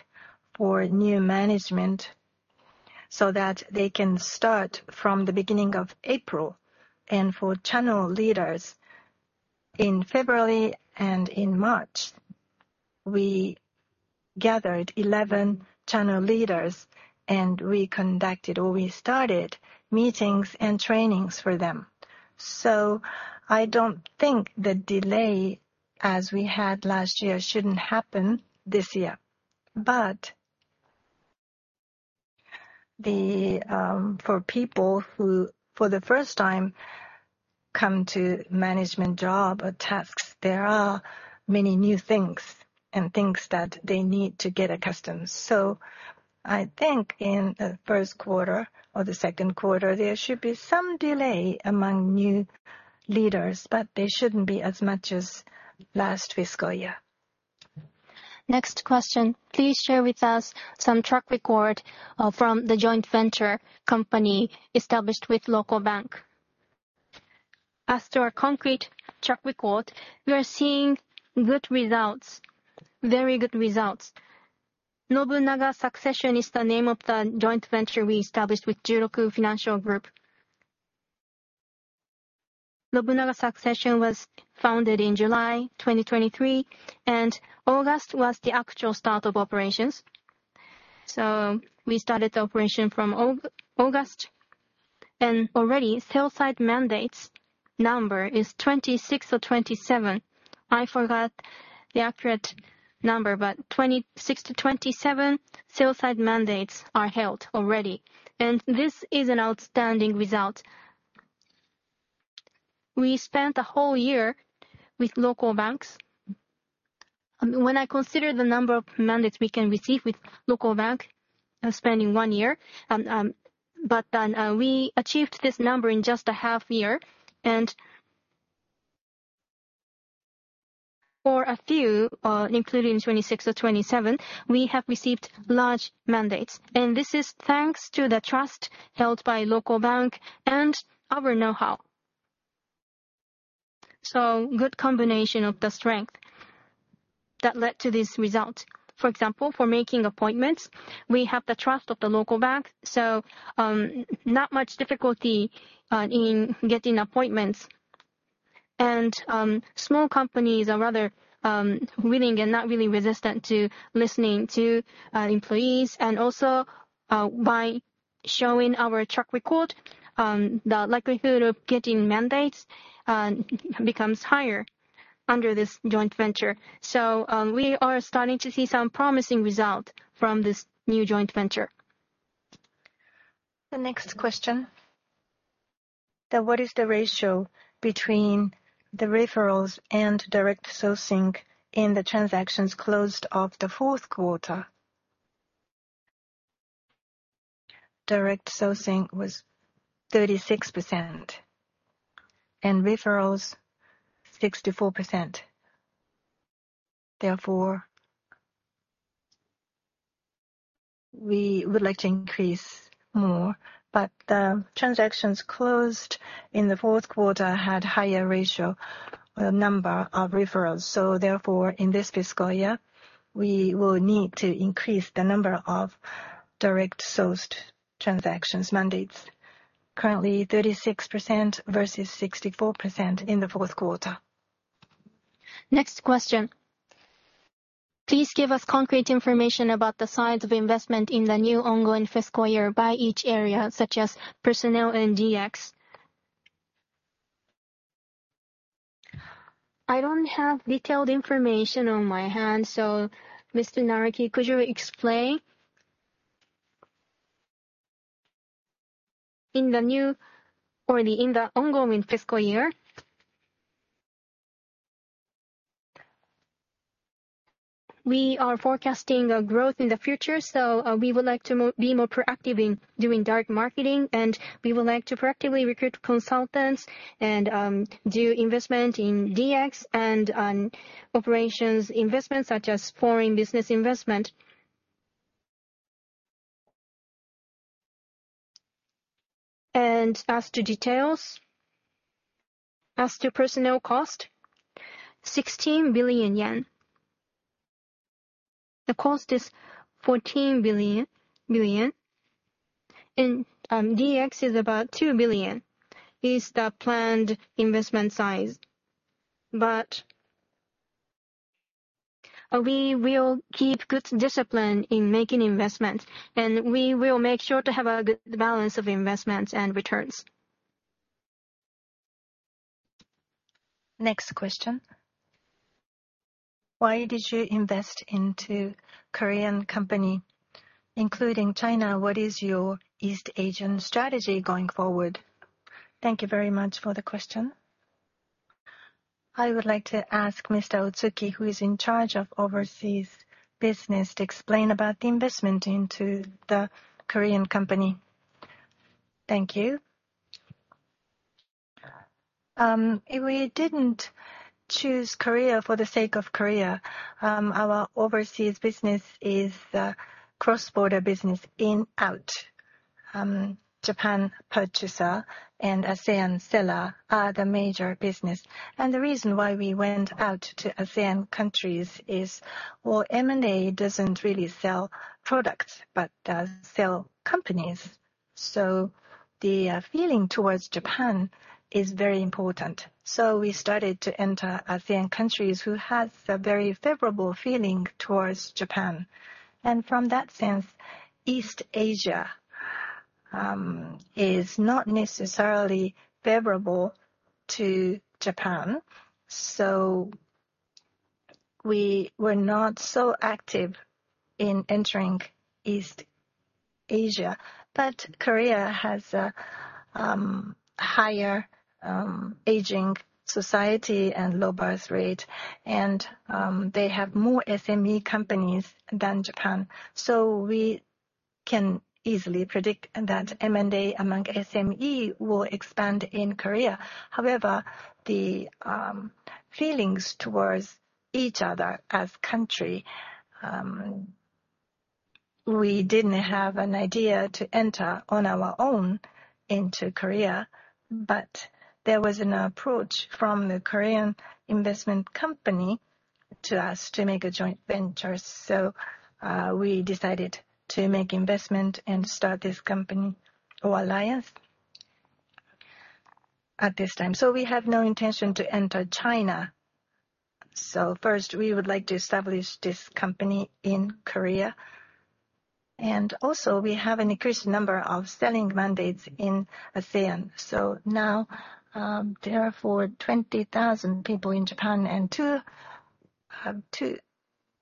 for new management so that they can start from the beginning of April. And for channel leaders, in February and in March, we gathered 11 channel leaders. And we conducted or we started meetings and trainings for them. So I don't think the delay as we had last year shouldn't happen this year. But for people who, for the first time, come to management job or tasks, there are many new things and things that they need to get accustomed. So I think in the first quarter or the second quarter, there should be some delay among new leaders, but they shouldn't be as much as last fiscal year. Next question. Please share with us some track record from the joint venture company established with local bank. As to our concrete track record, we are seeing good results, very good results. NOBUNAGA Succession is the name of the joint venture we established with Juroku Financial Group. NOBUNAGA Succession was founded in July 2023, and August was the actual start of operations. So we started the operation from August. And already, sell-side mandates number is 26 or 27. I forgot the accurate number. But 26-27 sell-side mandates are held already. And this is an outstanding result. We spent a whole year with local banks. When I consider the number of mandates we can receive with local bank, spending one year, but then we achieved this number in just a half year. For a few, including 26 or 27, we have received large mandates. This is thanks to the trust held by local bank and our know-how. Good combination of the strength that led to this result. For example, for making appointments, we have the trust of the local bank. Not much difficulty in getting appointments. Small companies are rather willing and not really resistant to listening to employees. Also, by showing our track record, the likelihood of getting mandates becomes higher under this joint venture. We are starting to see some promising results from this new joint venture. The next question. What is the ratio between the referrals and direct sourcing in the transactions closed of the Q4? Direct sourcing was 36% and referrals, 64%. Therefore, we would like to increase more. But the transactions closed in Q4 had a higher ratio or number of referrals. So therefore, in this fiscal year, we will need to increase the number of direct-sourced transactions, mandates, currently 36% versus 64% in Q4. Next question. Please give us concrete information about the size of investment in the new ongoing fiscal year by each area, such as personnel and DX. I don't have detailed information on hand. So, Mr. Naraki, could you explain? In the new or in the ongoing fiscal year, we are forecasting growth in the future. So we would like to be more proactive in doing direct marketing. We would like to proactively recruit consultants and do investment in DX and operations investments, such as foreign business investment. As to details, as to personnel cost, 16 billion yen. The cost is 14 billion. And DX is about 2 billion, is the planned investment size. But we will keep good discipline in making investments. And we will make sure to have a good balance of investments and returns. Next question. Why did you invest into Korean companies? Including China, what is your East Asian strategy going forward? Thank you very much for the question. I would like to ask Mr. Otsuki, who is in charge of overseas business, to explain about the investment into the Korean company. Thank you. We didn't choose Korea for the sake of Korea. Our overseas business is cross-border business in-out. Japan purchaser and ASEAN seller are the major business. The reason why we went out to ASEAN countries is, well, M&A doesn't really sell products, but sells companies. So the feeling towards Japan is very important. So we started to enter ASEAN countries who have a very favorable feeling towards Japan. And from that sense, East Asia is not necessarily favorable to Japan. So we were not so active in entering East Asia. But Korea has a higher aging society and low birth rate. And they have more SME companies than Japan. So we can easily predict that M&A among SMEs will expand in Korea. However, the feelings towards each other as a country, we didn't have an idea to enter on our own into Korea. But there was an approach from the Korean investment company to us to make a joint venture. So we decided to make investment and start this company or alliance at this time. So we have no intention to enter China. So first, we would like to establish this company in Korea. And also, we have an increased number of selling mandates in ASEAN. So now, there are 20,000 people in Japan and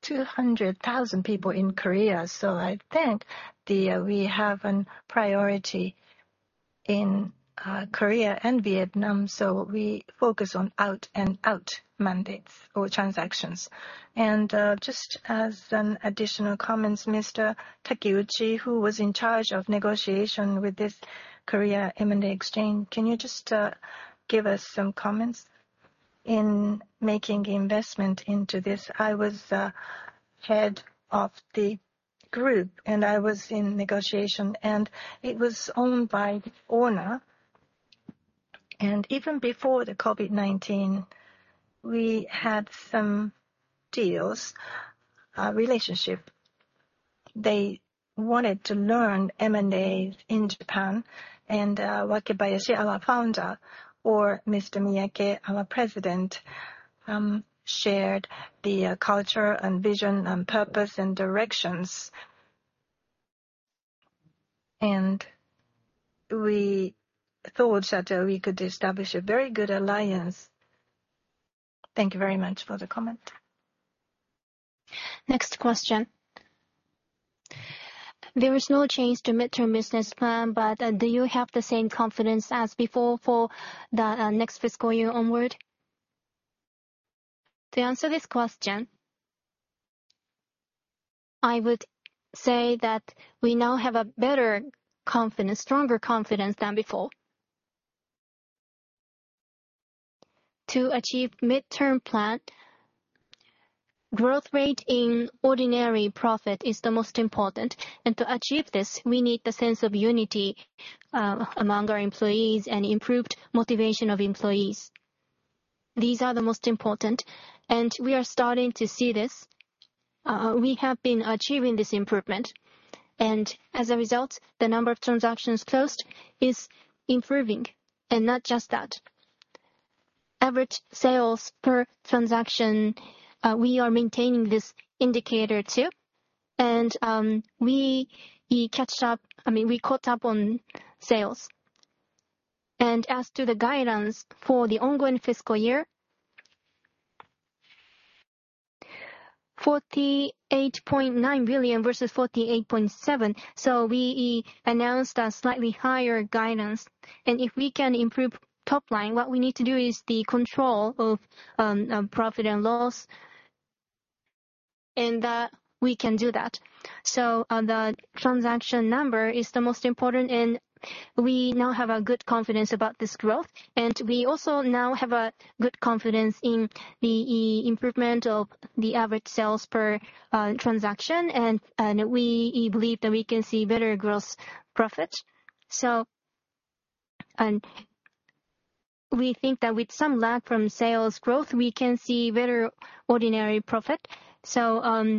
200,000 people in Korea. So I think we have a priority in Korea and Vietnam. So we focus on out-out mandates or transactions. And just as an additional comment, Mr. Takeuchi, who was in charge of negotiation with this Korea M&A Exchange, can you just give us some comments in making investment into this? I was head of the group. And I was in negotiation. And it was owned by owner. And even before the COVID-19, we had some deals, a relationship. They wanted to learn M&A in Japan. And Wakebayashi, our founder, or Mr. Miyake, our president, shared the culture and vision and purpose and directions. We thought that we could establish a very good alliance. Thank you very much for the comment. Next question. There is no change to midterm business plan. But do you have the same confidence as before for the next fiscal year onward? To answer this question, I would say that we now have a better confidence, stronger confidence than before. To achieve midterm plan, growth rate in ordinary profit is the most important. And to achieve this, we need the sense of unity among our employees and improved motivation of employees. These are the most important. And we are starting to see this. We have been achieving this improvement. And as a result, the number of transactions closed is improving. And not just that. Average sales per transaction, we are maintaining this indicator too. And we caught up, I mean, we caught up on sales. As to the guidance for the ongoing fiscal year, JPY 48.9 versus 48.7 billion. We announced a slightly higher guidance. If we can improve top line, what we need to do is the control of profit and loss. We can do that. The transaction number is the most important. We now have good confidence about this growth. We also now have good confidence in the improvement of the average sales per transaction. We believe that we can see better gross profit. We think that with some lack from sales growth, we can see better ordinary profit.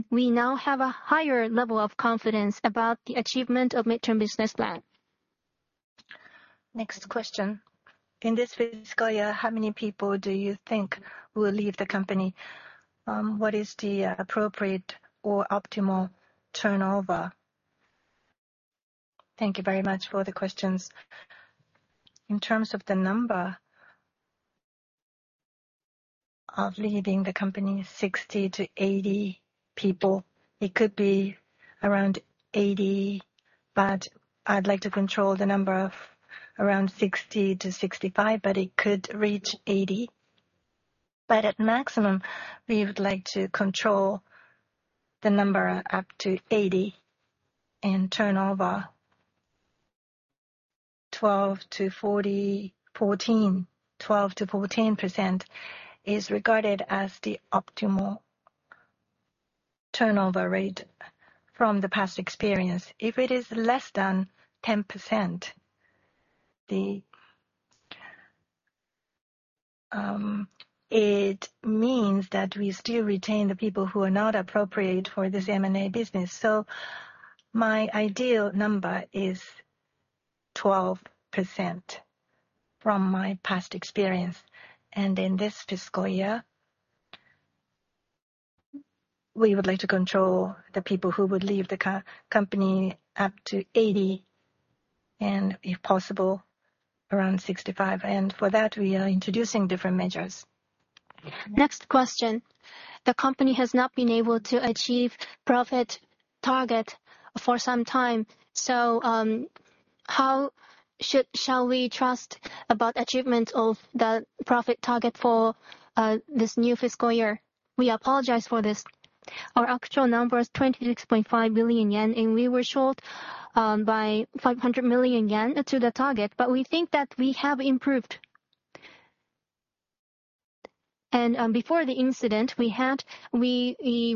We now have a higher level of confidence about the achievement of midterm business plan. Next question. In this fiscal year, how many people do you think will leave the company? What is the appropriate or optimal turnover? Thank you very much for the questions. In terms of the number of leaving the company, 60-80 people, it could be around 80. But I'd like to control the number of around 60-65. But it could reach 80. But at maximum, we would like to control the number up to 80. And turnover, 12 to 40, 14, 12%-14% is regarded as the optimal turnover rate from the past experience. If it is less than 10%, it means that we still retain the people who are not appropriate for this M&A business. So my ideal number is 12% from my past experience. And in this fiscal year, we would like to control the people who would leave the company up to 80. And if possible, around 65. And for that, we are introducing different measures. Next question. The company has not been able to achieve profit target for some time. So how shall we trust about the achievement of the profit target for this new fiscal year? We apologize for this. Our actual number is 26.5 billion yen. We were short by 500 million yen to the target. We think that we have improved. Before the incident, we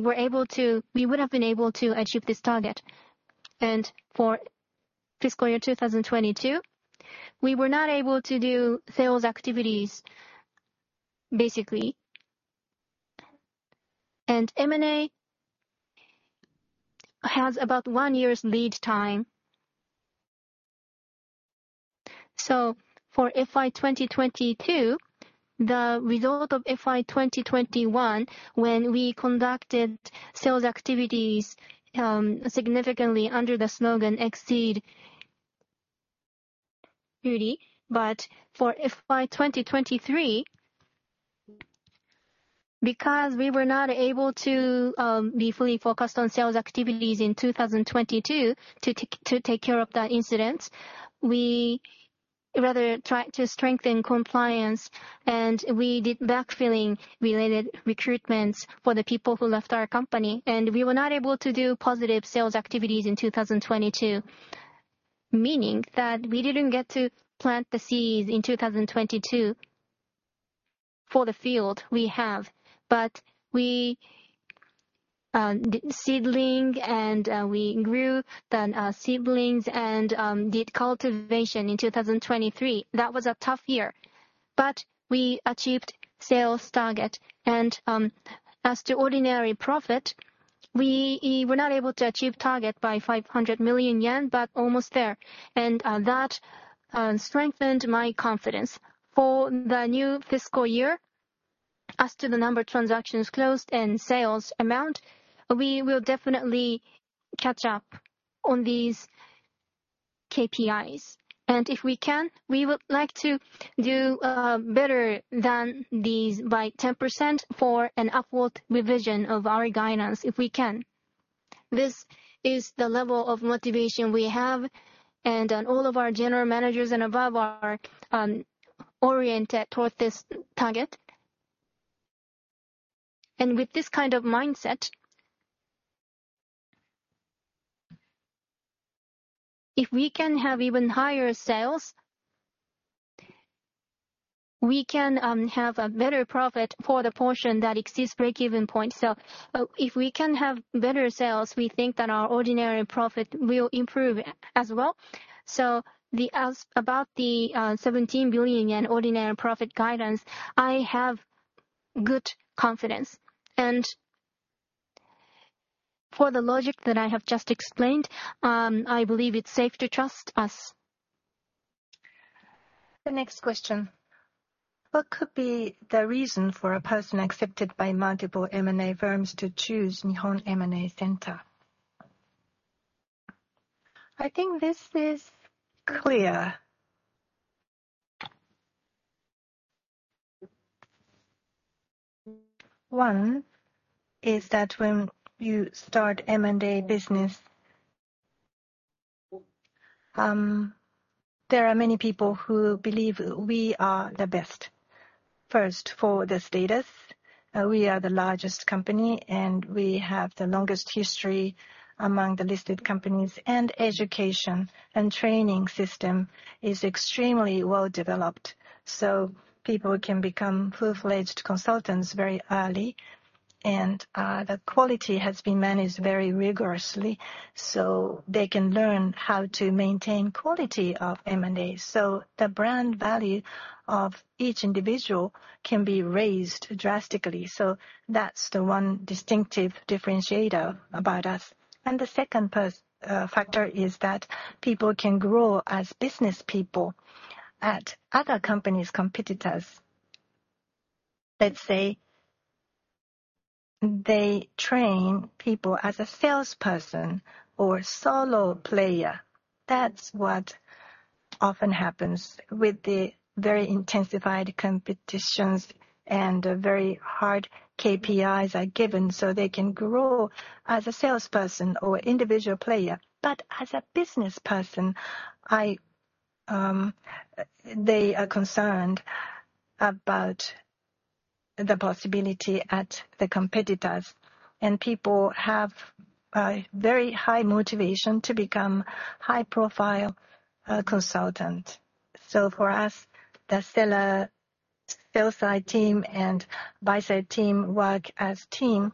were able to, we would have been able to achieve this target. For fiscal year 2022, we were not able to do sales activities, basically. M&A has about one year's lead time. So for FY 2022, the result of FY 2021, when we conducted sales activities significantly under the slogan "Exceed 30." For FY 2023, because we were not able to be fully focused on sales activities in 2022 to take care of that incident, we rather tried to strengthen compliance. We did backfilling-related recruitments for the people who left our company. We were not able to do positive sales activities in 2022, meaning that we didn't get to plant the seeds in 2022 for the field we have. But we did seedling, and we grew the seedlings and did cultivation in 2023. That was a tough year. But we achieved sales target. And as to ordinary profit, we were not able to achieve target by 500 million yen, but almost there. And that strengthened my confidence. For the new fiscal year, as to the number of transactions closed and sales amount, we will definitely catch up on these KPIs. And if we can, we would like to do better than these by 10% for an upward revision of our guidance, if we can. This is the level of motivation we have. All of our general managers and above are oriented towards this target. With this kind of mindset, if we can have even higher sales, we can have a better profit for the portion that exceeds breakeven point. If we can have better sales, we think that our ordinary profit will improve as well. About the 17 billion yen ordinary profit guidance, I have good confidence. For the logic that I have just explained, I believe it's safe to trust us. The next question. What could be the reason for a person accepted by multiple M&A firms to choose Nihon M&A Center? I think this is clear. One is that when you start M&A business, there are many people who believe we are the best. First, for the status, we are the largest company. We have the longest history among the listed companies. Education and training system is extremely well-developed. People can become full-fledged consultants very early. The quality has been managed very rigorously. They can learn how to maintain quality of M&A. The brand value of each individual can be raised drastically. That's the one distinctive differentiator about us. The second factor is that people can grow as business people at other companies' competitors. Let's say they train people as a salesperson or solo player. That's what often happens with the very intensified competitions and very hard KPIs are given. They can grow as a salesperson or individual player. But as a businessperson, they are concerned about the possibility at the competitors. People have very high motivation to become high-profile consultants. For us, the seller sales side team and buy side team work as a team.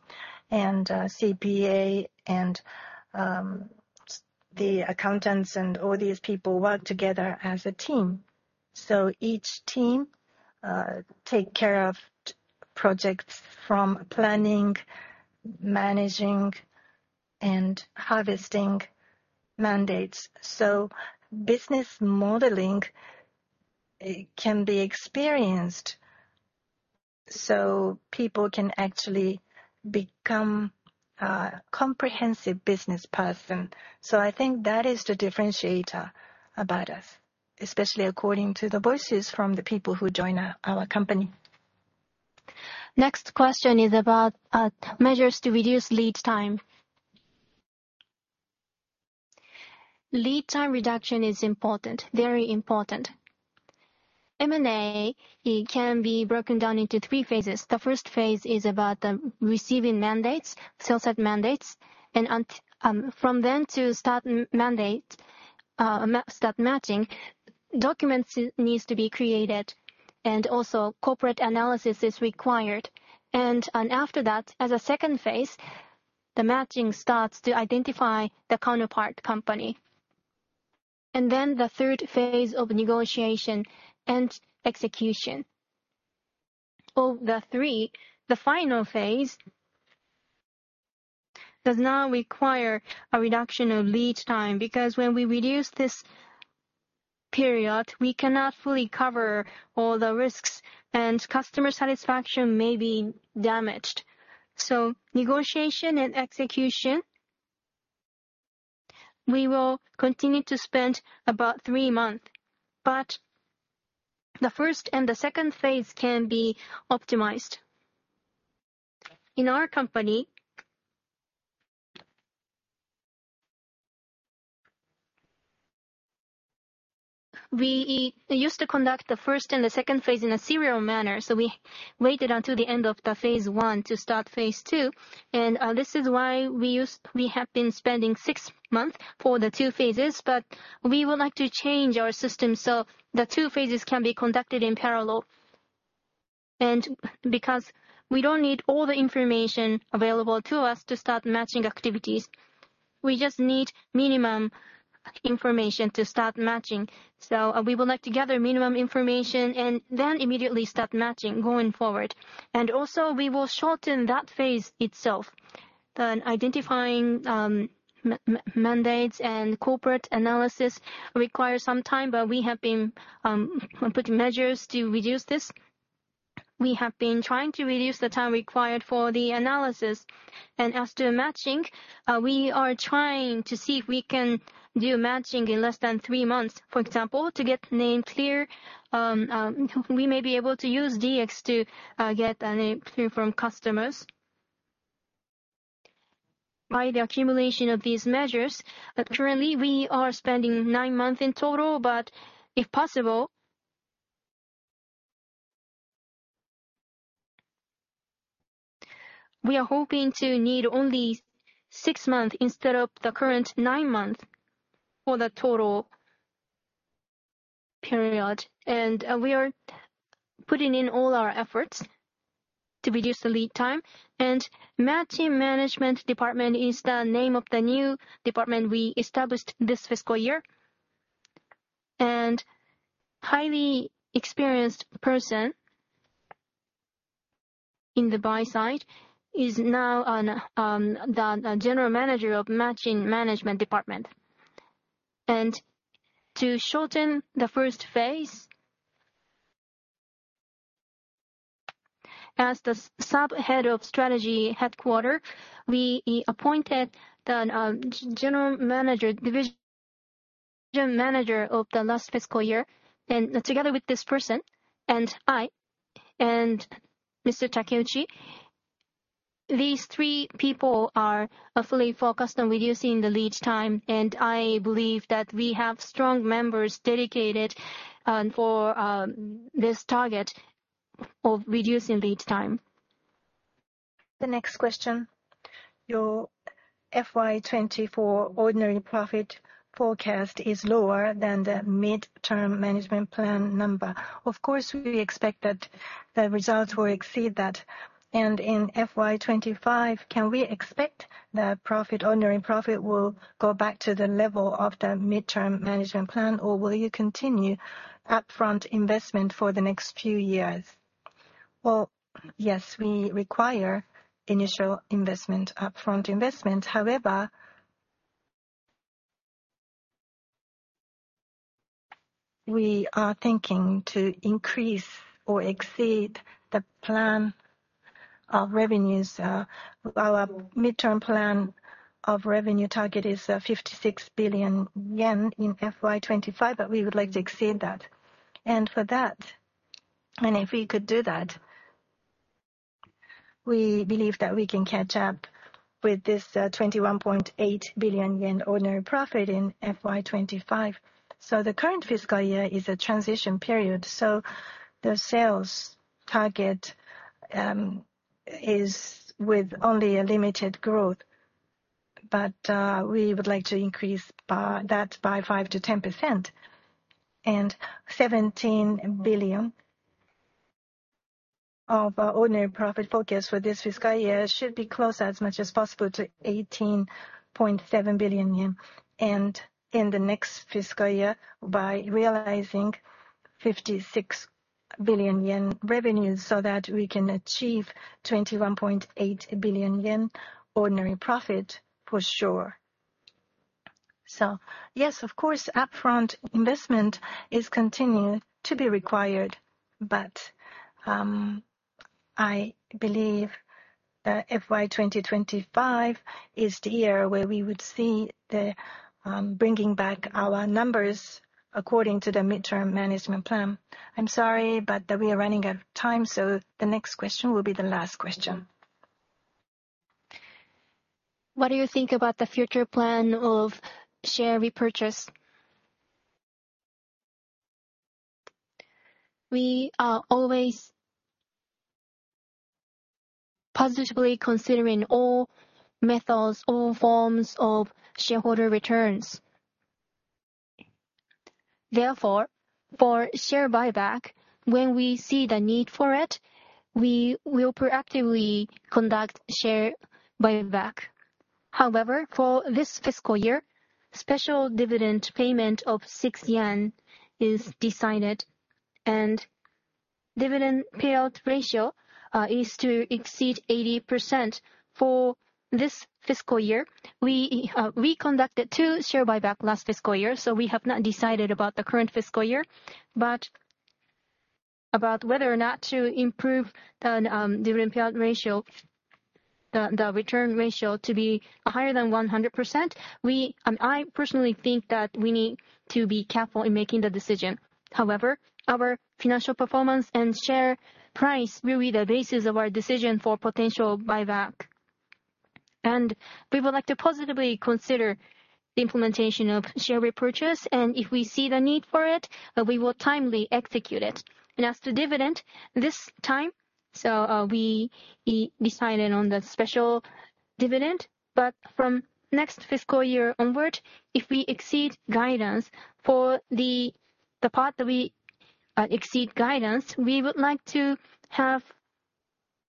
CPA and the accountants and all these people work together as a team. So each team takes care of projects from planning, managing, and harvesting mandates. So business modeling can be experienced. So people can actually become a comprehensive businessperson. So I think that is the differentiator about us, especially according to the voices from the people who join our company. Next question is about measures to reduce lead time. Lead time reduction is important, very important. M&A can be broken down into three phases. The first phase is about receiving mandates, sell-side mandates. And from then to start matching, documents need to be created. And also, corporate analysis is required. And after that, as a second phase, the matching starts to identify the counterpart company. And then the third phase of negotiation and execution. Of the three, the final phase does not require a reduction of lead time because when we reduce this period, we cannot fully cover all the risks. Customer satisfaction may be damaged. Negotiation and execution, we will continue to spend about three months. The first and the second phase can be optimized. In our company, we used to conduct the first and the second phase in a serial manner. We waited until the end of phase one to start phase two. This is why we have been spending six months for the two phases. We would like to change our system so the two phases can be conducted in parallel. Because we don't need all the information available to us to start matching activities, we just need minimum information to start matching. We would like to gather minimum information and then immediately start matching going forward. Also, we will shorten that phase itself. Identifying mandates and corporate analysis requires some time. But we have been putting measures to reduce this. We have been trying to reduce the time required for the analysis. As to matching, we are trying to see if we can do matching in less than three months, for example, to get the mandate clear. We may be able to use DX to get a mandate clear from customers. By the accumulation of these measures, currently, we are spending nine months in total. But if possible, we are hoping to need only six months instead of the current nine months for the total period. We are putting in all our efforts to reduce the lead time. Matching management department is the name of the new department we established this fiscal year. A highly experienced person in the buy side is now the general manager of Matching Management Department. To shorten the first phase, as the subhead of strategy headquarter, we appointed the general manager, division manager of the last fiscal year. Together with this person and I and Mr. Takeuchi, these three people are fully focused on reducing the lead time. I believe that we have strong members dedicated for this target of reducing lead time. The next question. Your FY 2024 ordinary profit forecast is lower than the mid-term management plan number. Of course, we expect that the results will exceed that. In FY 2025, can we expect that ordinary profit will go back to the level of the mid-term management plan? Or will you continue upfront investment for the next few years? Well, yes, we require initial investment, upfront investment. However, we are thinking to increase or exceed the plan of revenues. Our mid-term plan of revenue target is 56 billion yen in FY 2025. But we would like to exceed that. And for that, and if we could do that, we believe that we can catch up with this 21.8 billion yen ordinary profit in FY 2025. So the current fiscal year is a transition period. So the sales target is with only a limited growth. But we would like to increase that by 5%-10%. And 17 billion of ordinary profit focus for this fiscal year should be close as much as possible to 18.7 billion yen. In the next fiscal year, by realizing 56 billion yen revenues so that we can achieve 21.8 billion yen ordinary profit for sure. So yes, of course, upfront investment is continued to be required. But I believe FY 2025 is the year where we would see the bringing back our numbers according to the mid-term management plan. I'm sorry, but we are running out of time. So the next question will be the last question. What do you think about the future plan of share repurchase? We are always positively considering all methods, all forms of shareholder returns. Therefore, for share buyback, when we see the need for it, we will proactively conduct share buyback. However, for this fiscal year, special dividend payment of 6 yen is decided. And dividend payout ratio is to exceed 80%. For this fiscal year, we conducted two share buyback last fiscal year. We have not decided about the current fiscal year. But about whether or not to improve the dividend payout ratio, the return ratio to be higher than 100%, I personally think that we need to be careful in making the decision. However, our financial performance and share price will be the basis of our decision for potential buyback. We would like to positively consider the implementation of share repurchase. If we see the need for it, we will timely execute it. As to dividend, this time, so we decided on the special dividend. From next fiscal year onward, if we exceed guidance for the part that we exceed guidance, we would like to have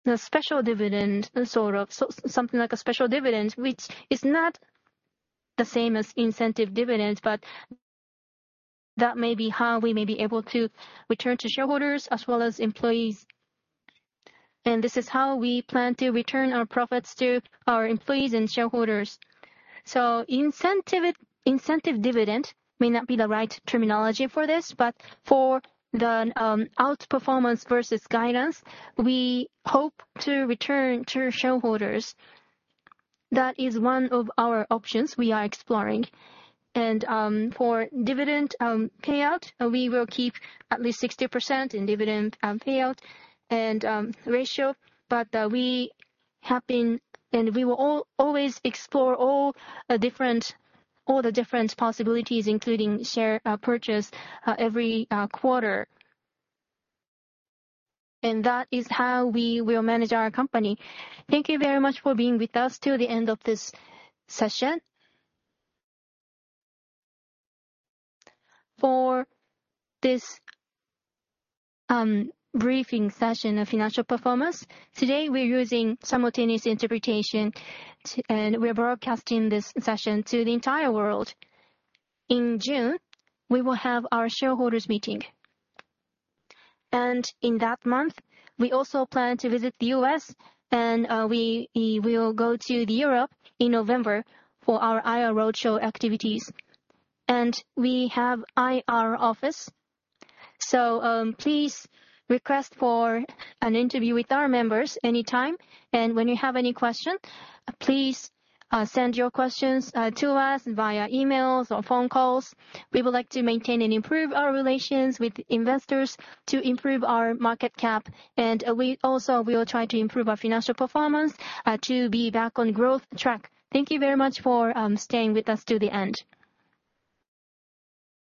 the special dividend, sort of something like a special dividend, which is not the same as incentive dividends. But that may be how we may be able to return to shareholders as well as employees. And this is how we plan to return our profits to our employees and shareholders. So incentive dividend may not be the right terminology for this. But for the outperformance versus guidance, we hope to return to shareholders. That is one of our options we are exploring. And for dividend payout, we will keep at least 60% in dividend payout and ratio. But we have been and we will always explore all the different possibilities, including share purchase every quarter. And that is how we will manage our company. Thank you very much for being with us till the end of this session. For this briefing session of financial performance, today we're using simultaneous interpretation. And we're broadcasting this session to the entire world. In June, we will have our shareholders' meeting. In that month, we also plan to visit the U.S. We will go to Europe in November for our IR roadshow activities. We have IR office. So please request for an interview with our members anytime. When you have any questions, please send your questions to us via emails or phone calls. We would like to maintain and improve our relations with investors to improve our market cap. We also will try to improve our financial performance to be back on growth track. Thank you very much for staying with us till the end.